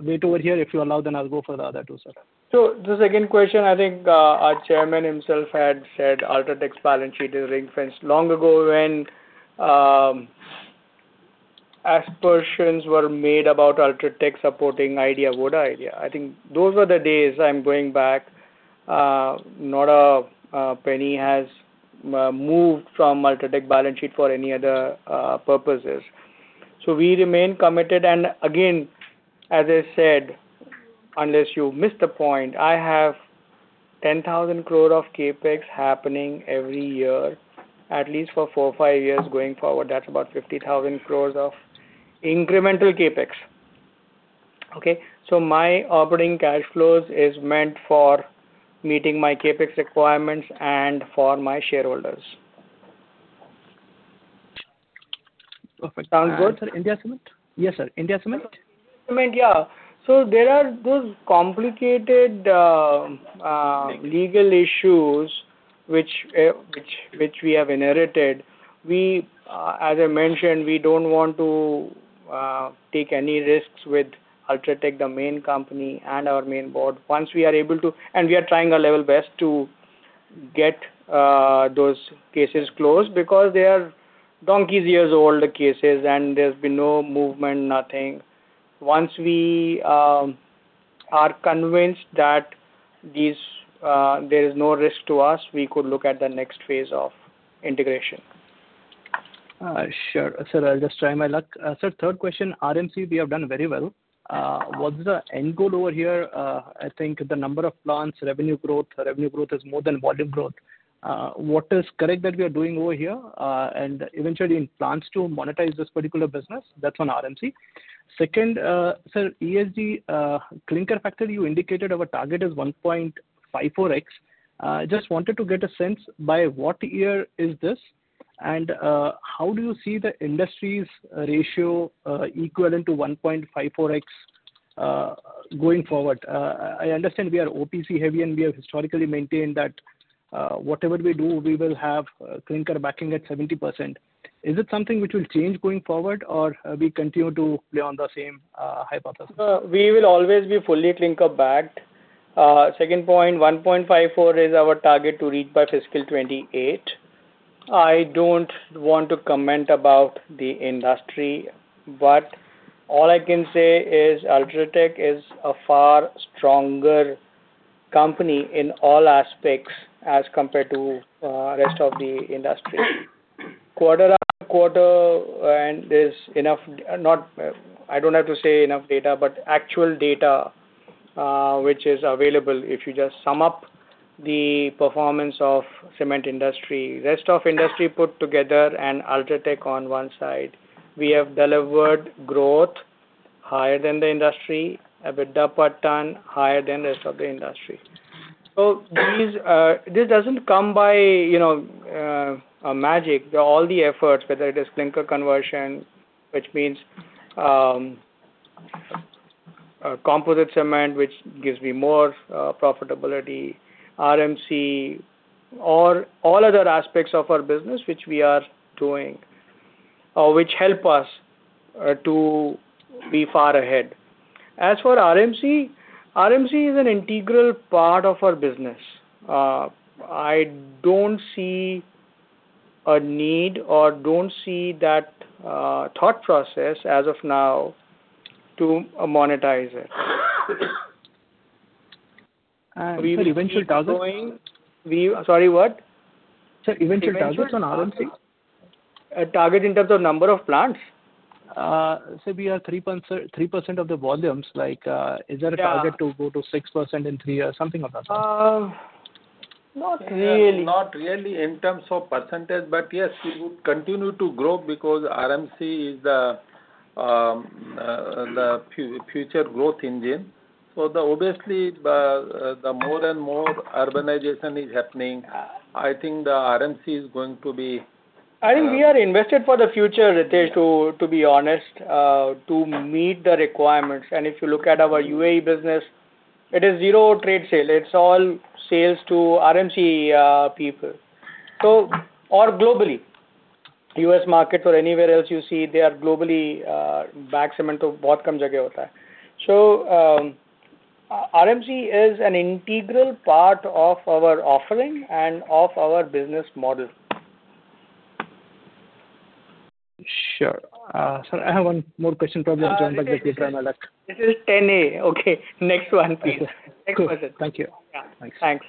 wait over here. If you allow, then I'll go for the other two, sir. The second question, I think, our chairman himself had said UltraTech's balance sheet is ring-fenced long ago when aspirations were made about UltraTech supporting Idea, Vodafone Idea. I think those were the days I'm going back. Not a penny has moved from UltraTech balance sheet for any other purposes. We remain committed. Again, as I said, unless you missed the point, I have 10,000 crore of CapEx happening every year, at least for four, five years going forward. That's about 50,000 crore of incremental CapEx. Okay? My operating cash flows is meant for meeting my CapEx requirements and for my shareholders. Perfect. Sounds good? Sir, India Cements? Yes, sir. India Cements? Cement, yeah. There are those complicated legal issues which we have inherited. As I mentioned, we don't want to take any risks with UltraTech, the main company and our main board. Once we are able to, we are trying our level best to get those cases closed because they are donkey's years old cases and there's been no movement, nothing. Once we are convinced that there is no risk to us, we could look at the next phase of integration. Sure. Sir, I'll just try my luck. Sir, third question. RMC, we have done very well. What's the end goal over here? I think the number of plants, revenue growth. Revenue growth is more than volume growth. What is correct that we are doing over here? And eventually any plans to monetize this particular business? That's on RMC. Second, sir, ESG, clinker factor, you indicated our target is 1.54x. Just wanted to get a sense by what year is this and, how do you see the industry's ratio, equivalent to 1.54x, going forward? I understand we are OPC heavy, and we have historically maintained that, whatever we do, we will have clinker backing at 70%. Is it something which will change going forward or we continue to play on the same, hypothesis? We will always be fully clinker-backed. Second point, 1.54x is our target to reach by fiscal 2028. I don't want to comment about the industry, but all I can say is UltraTech is a far stronger company in all aspects as compared to rest of the industry. Quarter after quarter is enough. I don't have to say enough data, but actual data which is available. If you just sum up the performance of cement industry, rest of industry put together and UltraTech on one side. We have delivered growth higher than the industry, EBITDA per ton higher than rest of the industry. So this doesn't come by, you know, magic. All the efforts, whether it is clinker conversion, which means composite cement, which gives me more profitability, RMC or all other aspects of our business which we are doing or which help us to be far ahead. As for RMC is an integral part of our business. I don't see a need or don't see that thought process as of now to monetize it. Eventual targets. We keep going. Sorry, what? Sir, eventual targets on RMC? Eventual targets. Target in terms of number of plants? Sir, we have 3% of the volumes. Like, Yeah. Is there a target to go to 6% in three years? Something of that sort. Not really. Not really in terms of percentage, but yes, we would continue to grow because RMC is the future growth engine. Obviously, the more and more urbanization is happening. I think the RMC is going to be I think we are invested for the future, Ritesh, to be honest, to meet the requirements. If you look at our UAE business, it is zero trade sale. It's all sales to RMC people. Or globally, U.S. market or anywhere else you see they are globally, bagged cement. RMC is an integral part of our offering and of our business model. Sure. Sir, I have one more question. Probably I'll turn back to you, try my luck. This is 10A. Okay. Next one, please. Cool. Next question. Thank you. Yeah. Thanks. Thanks.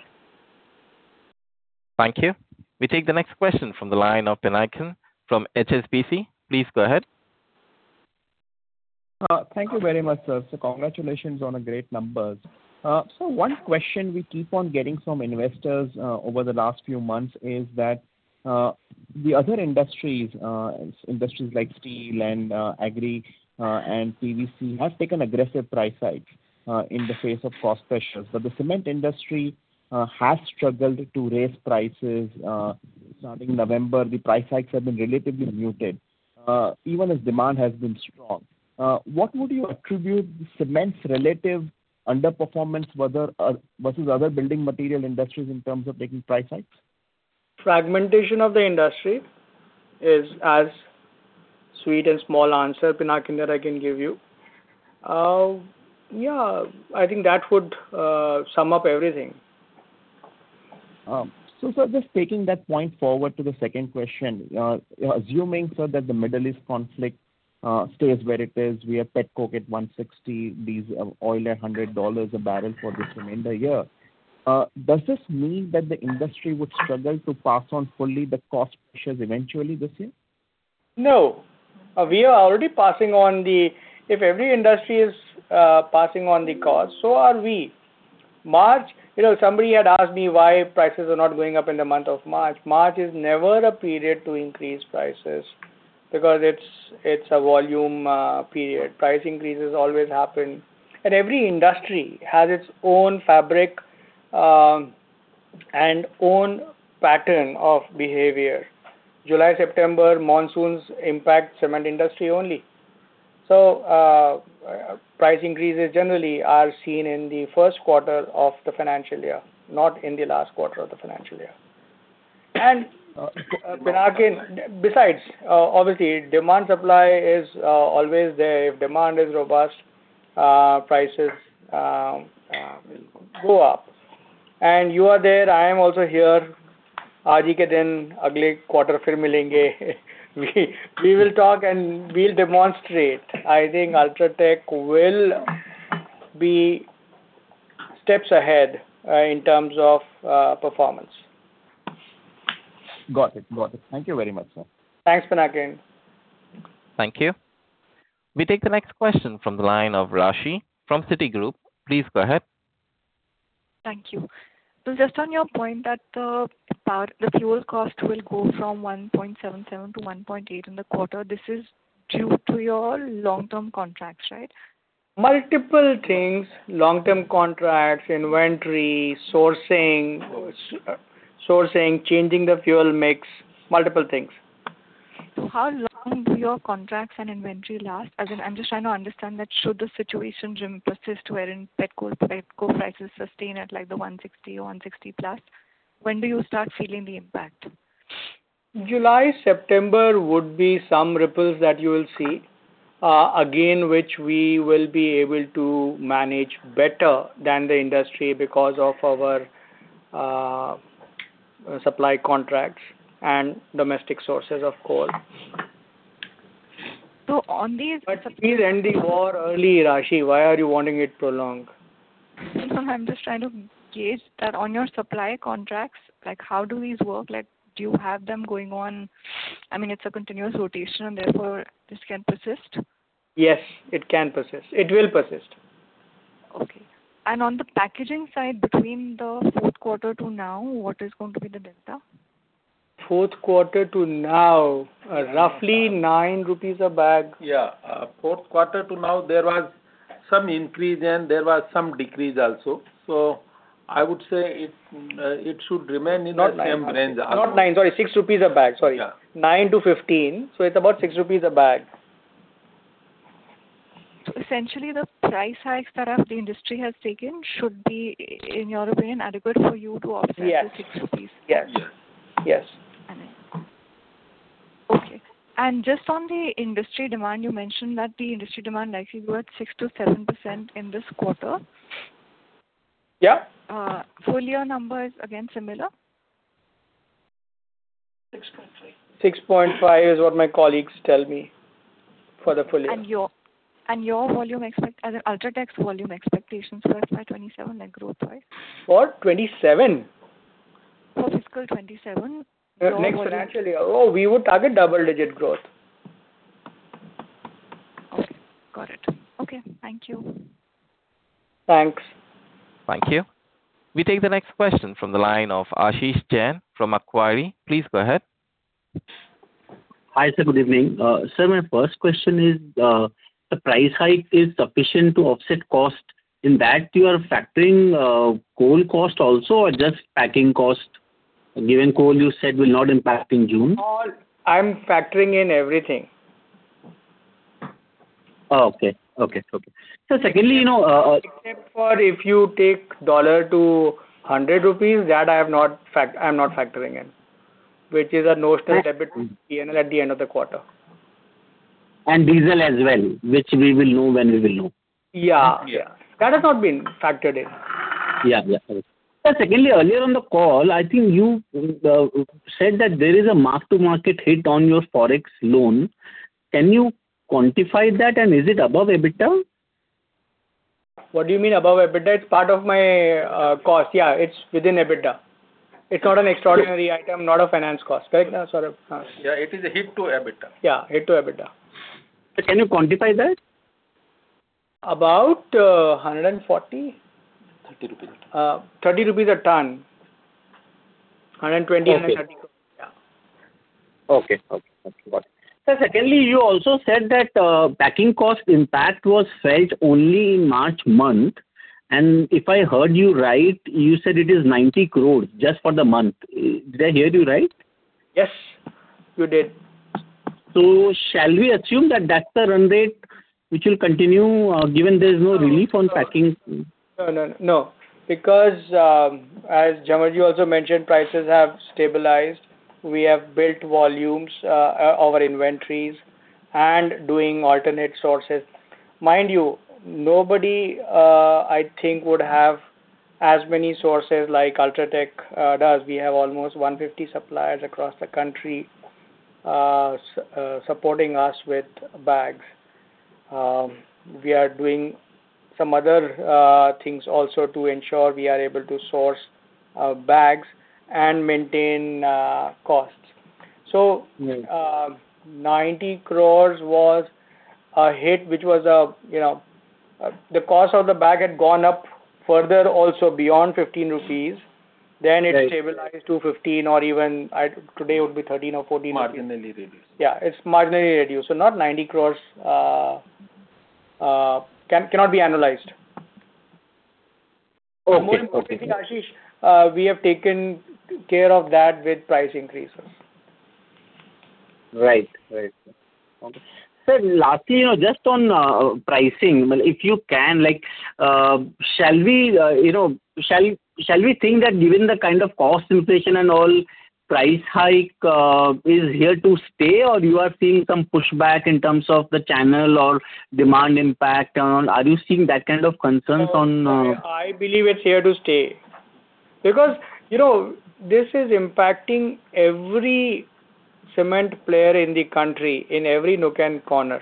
Thank you. We take the next question from the line of Pinakin from HSBC. Please go ahead. Thank you very much, sir. Congratulations on the great numbers. One question we keep on getting from investors over the last few months is that the other industries like steel and agri and PVC have taken aggressive price hikes in the face of cost pressures. The cement industry has struggled to raise prices. Starting November, the price hikes have been relatively muted even as demand has been strong. What would you attribute the cement's relative underperformance whether versus other building material industries in terms of taking price hikes? Fragmentation of the industry is as short and sweet an answer, Pinakin, that I can give you. Yeah, I think that would sum up everything. Sir, just taking that point forward to the second question. Assuming, sir, that the Middle East conflict stays where it is. We have pet coke at 160, diesel oil at $100 a barrel for the remainder of the year. Does this mean that the industry would struggle to pass on fully the cost pressures eventually this year? No. We are already passing on the. If every industry is passing on the cost, so are we. March, you know, somebody had asked me why prices are not going up in the month of March. March is never a period to increase prices because it's a volume period. Price increases always happen. Every industry has its own fabric and own pattern of behavior. July, September monsoons impact cement industry only. Price increases generally are seen in the first quarter of the financial year, not in the last quarter of the financial year. Pinakin, besides, obviously demand supply is always there. If demand is robust, prices go up. You are there, I am also here. We will talk and we'll demonstrate. I think UltraTech will be steps ahead in terms of performance. Got it. Thank you very much, sir. Thanks, Pinakin. Thank you. We take the next question from the line of Raashi from Citigroup. Please go ahead. Thank you. Just on your point that the power, the fuel cost will go from 1.77-1.8 in the quarter. This is due to your long-term contracts, right? Multiple things. Long-term contracts, inventory, sourcing, changing the fuel mix, multiple things. How long do your contracts and inventory last? As in, I'm just trying to understand that should the situation persist wherein pet coke prices sustain at like the 160+, when do you start feeling the impact? July, September would be some ripples that you will see. Again, which we will be able to manage better than the industry because of our supply contracts and domestic sources of coal. On these. Please end the war early, Raashi. Why are you wanting it to prolong? I'm just trying to gauge that on your supply contracts, like how do these work? Like, do you have them going on? I mean, it's a continuous rotation and therefore this can persist. Yes, it can persist. It will persist. Okay. On the packaging side, between the fourth quarter to now, what is going to be the delta? Fourth quarter to now, roughly 9 rupees a bag. Yeah. Fourth quarter to now, there was some increase and there was some decrease also. I would say it should remain in the same range. Not 9. Sorry, 6 rupees a bag. Sorry. Yeah. 9-15, so it's about 6 rupees a bag. Essentially, the price hikes that the industry has taken should be, in your opinion, adequate for you to offset- Yes. the 6 rupees? Yes. Yes. Yes. Okay. Just on the industry demand, you mentioned that the industry demand likely growth 6%-7% in this quarter. Yeah. Full year numbers, again, similar? 6.5%. 6.5% is what my colleagues tell me for the full year. Your volume expectations for FY 2027, like growth-wise? For 2027? For fiscal 2027. Next financial year. Oh, we would target double-digit growth. Okay, got it. Okay, thank you. Thanks. Thank you. We take the next question from the line of Ashish Jain from Macquarie. Please go ahead. Hi, sir. Good evening. Sir, my first question is, the price hike is sufficient to offset cost. In that you are factoring, coal cost also or just packing cost? Given coal, you said will not impact in June. I'm factoring in everything. Oh, okay. Secondly, you know, Except for if you take dollar to 100 rupees, I'm not factoring in. Which is a nonstop debit P&L at the end of the quarter. Diesel as well, which we will know when we will know. Yeah. Yeah. That has not been factored in. Yeah. Sir, secondly, earlier on the call, I think you said that there is a mark-to-market hit on your Forex loan. Can you quantify that, and is it above EBITDA? What do you mean above EBITDA? It's part of my cost. Yeah, it's within EBITDA. It's not an extraordinary item, not a finance cost. Correct, sir? Sorry. Yeah, it is a hit to EBITDA. Yeah, hit to EBITDA. Can you quantify that? About 140. 30 rupees a ton. 30 rupees a ton. 120, INR 130. Okay. Yeah. Okay. Got it. Sir, secondly, you also said that, packing cost impact was felt only in March month. If I heard you right, you said it is 90 crore just for the month. Did I hear you right? Yes, you did. Shall we assume that that's the run rate which will continue, given there is no relief on packing? No, no. No. Because as Jhanwar also mentioned, prices have stabilized. We have built volumes, our inventories and doing alternate sources. Mind you, nobody I think would have as many sources like UltraTech does. We have almost 150 suppliers across the country, supporting us with bags. We are doing some other things also to ensure we are able to source bags and maintain costs. Mm-hmm. So 90 crore was a hit, which was, you know, the cost of the bag had gone up further also beyond 15 rupees. Right. It stabilized to 15 or even today, it would be 13 or 14 rupees. Marginally reduced. Yeah, it's marginally reduced. Not 90 crore, cannot be analyzed. Okay. Okay. More importantly, Ashish, we have taken care of that with price increases. Right. Okay. Sir, lastly, you know, just on pricing, if you can, like, shall we think that given the kind of cost inflation and all, price hike is here to stay, or you are seeing some pushback in terms of the channel or demand impact and all? Are you seeing that kind of concerns on- I believe it's here to stay. Because, you know, this is impacting every cement player in the country in every nook and corner.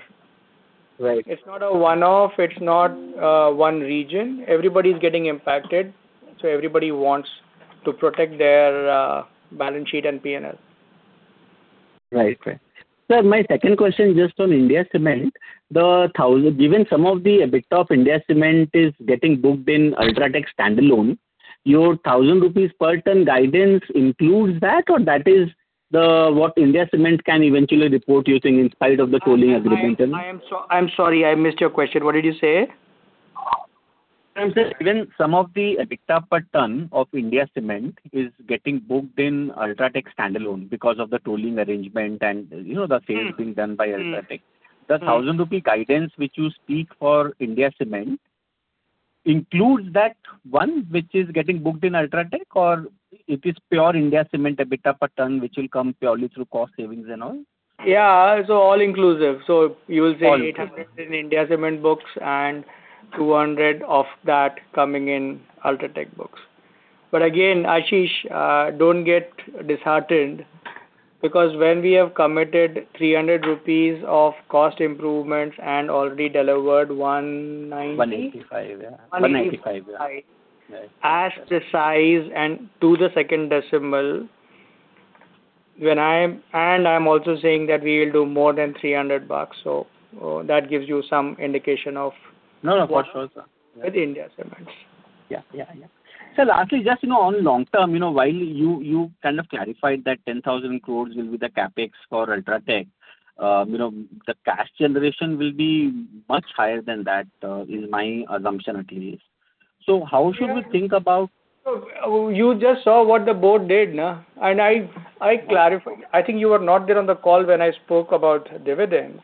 Right. It's not a one-off. It's not one region. Everybody's getting impacted, so everybody wants to protect their balance sheet and P&L. Right. Sir, my second question just on India Cements. Given some of the EBITDA of India Cements is getting booked in UltraTech standalone, your 1,000 rupees per ton guidance includes that, or that is what India Cements can eventually report, you think, in spite of the tolling agreement and? I am sorry, I missed your question. What did you say? Sir, given some of the EBITDA per ton of India Cements is getting booked in UltraTech standalone because of the tolling arrangement and, you know, the sales being done by UltraTech. Mm-hmm. The 1,000 rupee guidance which you speak for India Cements includes that one which is getting booked in UltraTech or it is pure India Cements EBITDA per ton which will come purely through cost savings and all? Yeah. All inclusive. You will say- All inclusive. 800 in India Cements books and 200 of that coming in UltraTech books. Again, Ashish, don't get disheartened because when we have committed 300 rupees of cost improvements and already delivered 190? 185, yeah. 185. As the size and to the second decimal, and I'm also saying that we will do more than 300 bucks. That gives you some indication of- No, no, for sure, sir. With India Cements. Yeah. Lastly, just, you know, on long term, you know, while you kind of clarified that 10,000 crore will be the CapEx for UltraTech, you know, the cash generation will be much higher than that, is my assumption at least. How should we think about? You just saw what the board did, no? I clarified. I think you were not there on the call when I spoke about dividends.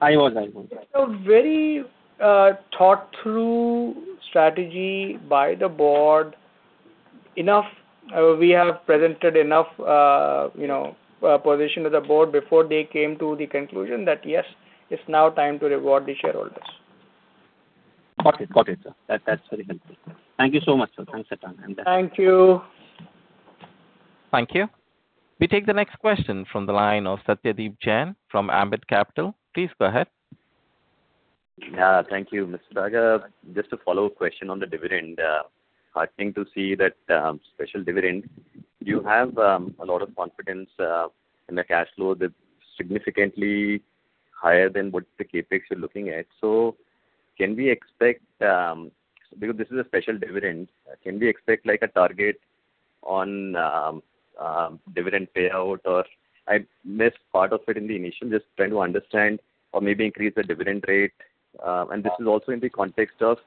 I was. It's a very thought through strategy by the board. We have presented enough, you know, position to the board before they came to the conclusion that, yes, it's now time to reward the shareholders. Got it, sir. That's very helpful. Thank you so much, sir. Thanks a ton. I'm done. Thank you. Thank you. We take the next question from the line of Satyadeep Jain from Ambit Capital. Please go ahead. Yeah. Thank you, Mr. Daga. Just a follow-up question on the dividend. Heartening to see that special dividend. You have a lot of confidence in the cash flow that's significantly higher than the CapEx you're looking at. Can we expect? Because this is a special dividend, can we expect like a target on dividend payout? Or I missed part of it in the initial. Just trying to understand. Or maybe increase the dividend rate. This is also in the context of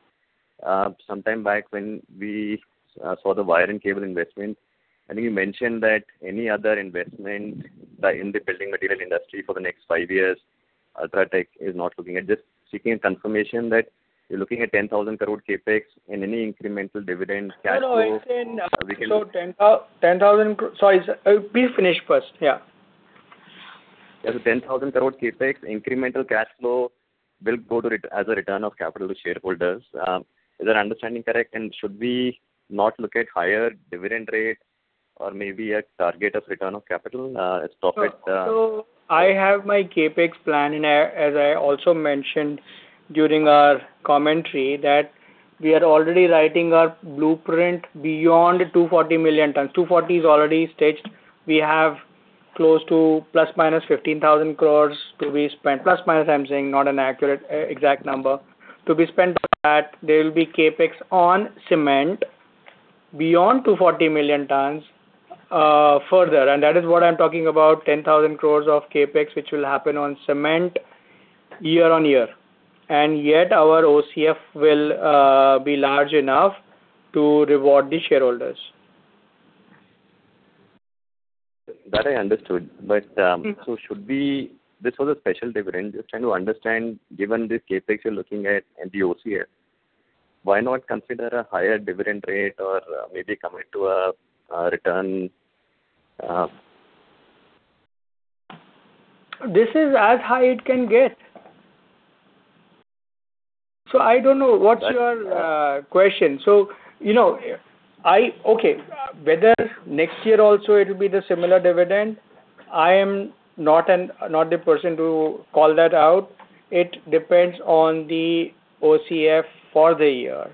sometime back when we saw the wire and cable investment. I think you mentioned that any other investment in the building material industry for the next five years, UltraTech is not looking at. Just seeking a confirmation that you're looking at 10,000 crore CapEx and any incremental dividend cash flow. No, no. 10,000 crore. Sorry, please finish first. Yeah. There's 10,000 crore CapEx. Incremental cash flow will go to a return of capital to shareholders. Is that understanding correct? Should we not look at higher dividend rate or maybe a target of return of capital as profit? I have my CapEx plan and as I also mentioned during our commentary that we are already writing our blueprint beyond 240 million tons. 240 is already staged. We have close to ±15,000 crores to be spent. Plus, minus, I'm saying, not an accurate exact number. To be spent on that, there will be CapEx on cement beyond 240 million tons, further, and that is what I'm talking about, 10,000 crores of CapEx, which will happen on cement year-on-year. Yet our OCF will be large enough to reward the shareholders. That I understood. This was a special dividend. Just trying to understand, given this CapEx you're looking at and the OCF, why not consider a higher dividend rate or maybe commit to a return. This is as high as it can get. I don't know what's your question. You know, okay. Whether next year also it'll be the similar dividend, I am not the person to call that out. It depends on the OCF for the year.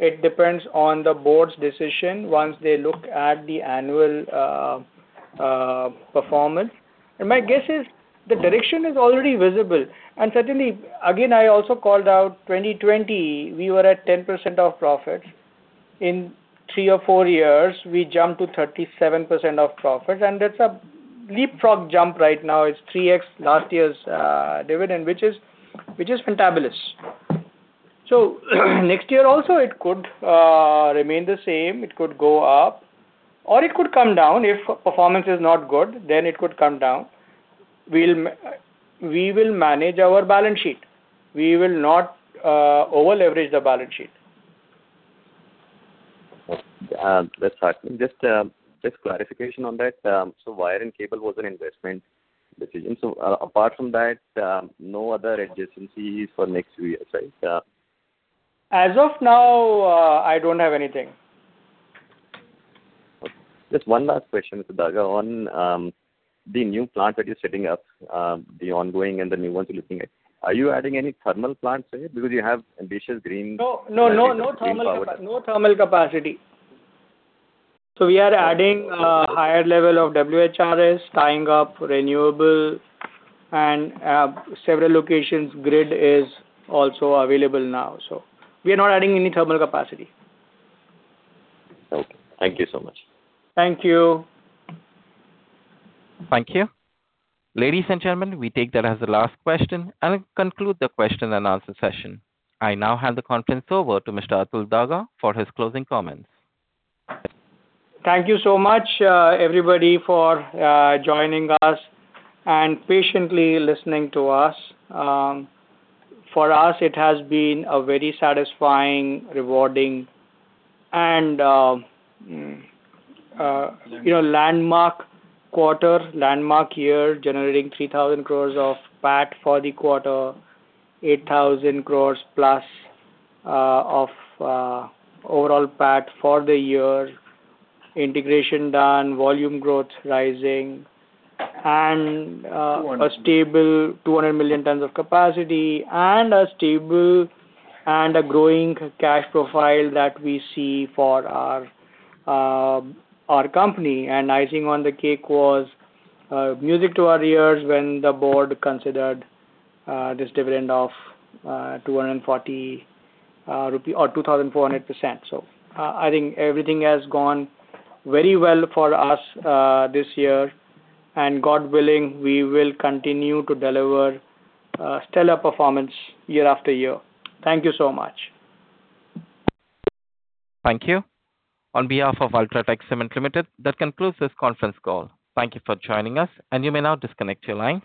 It depends on the board's decision once they look at the annual performance. My guess is the direction is already visible. Certainly, again, I also called out 2020 we were at 10% of profits. In three or four years we jumped to 37% of profits, and that's a leapfrog jump right now. It's 3x last year's dividend, which is fantabulous. Next year also it could remain the same, it could go up, or it could come down. If performance is not good, then it could come down. We will manage our balance sheet. We will not over-leverage the balance sheet. Okay. That's heartening. Just clarification on that. Wire and cable was an investment decision. Apart from that, no other adjacencies for next few years, right? Yeah. As of now, I don't have anything. Okay. Just one last question, Mr. Daga. On the new plant that you're setting up, the ongoing and the new ones you're looking at, are you adding any thermal plants there? Because you have ambitious green? No, no. Green power targets? No thermal capacity. We are adding a higher level of WHRS, tying up renewable and several locations grid is also available now. We are not adding any thermal capacity. Okay. Thank you so much. Thank you. Thank you. Ladies and gentlemen, we take that as the last question and conclude the question and answer session. I now hand the conference over to Mr. Atul Daga for his closing comments. Thank you so much, everybody for joining us and patiently listening to us. For us it has been a very satisfying, rewarding and you know, landmark quarter, landmark year, generating 3,000 crores of PAT for the quarter, 8,000+ crores of overall PAT for the year. Integration done, volume growth rising, and a stable 200 million tons of capacity and a stable and a growing cash profile that we see for our company. Icing on the cake was music to our ears when the board considered this dividend of 240 rupee, or 2,400%. I think everything has gone very well for us this year, and God willing, we will continue to deliver stellar performance year after year. Thank you so much. Thank you. On behalf of UltraTech Cement Limited, that concludes this conference call. Thank you for joining us, and you may now disconnect your line.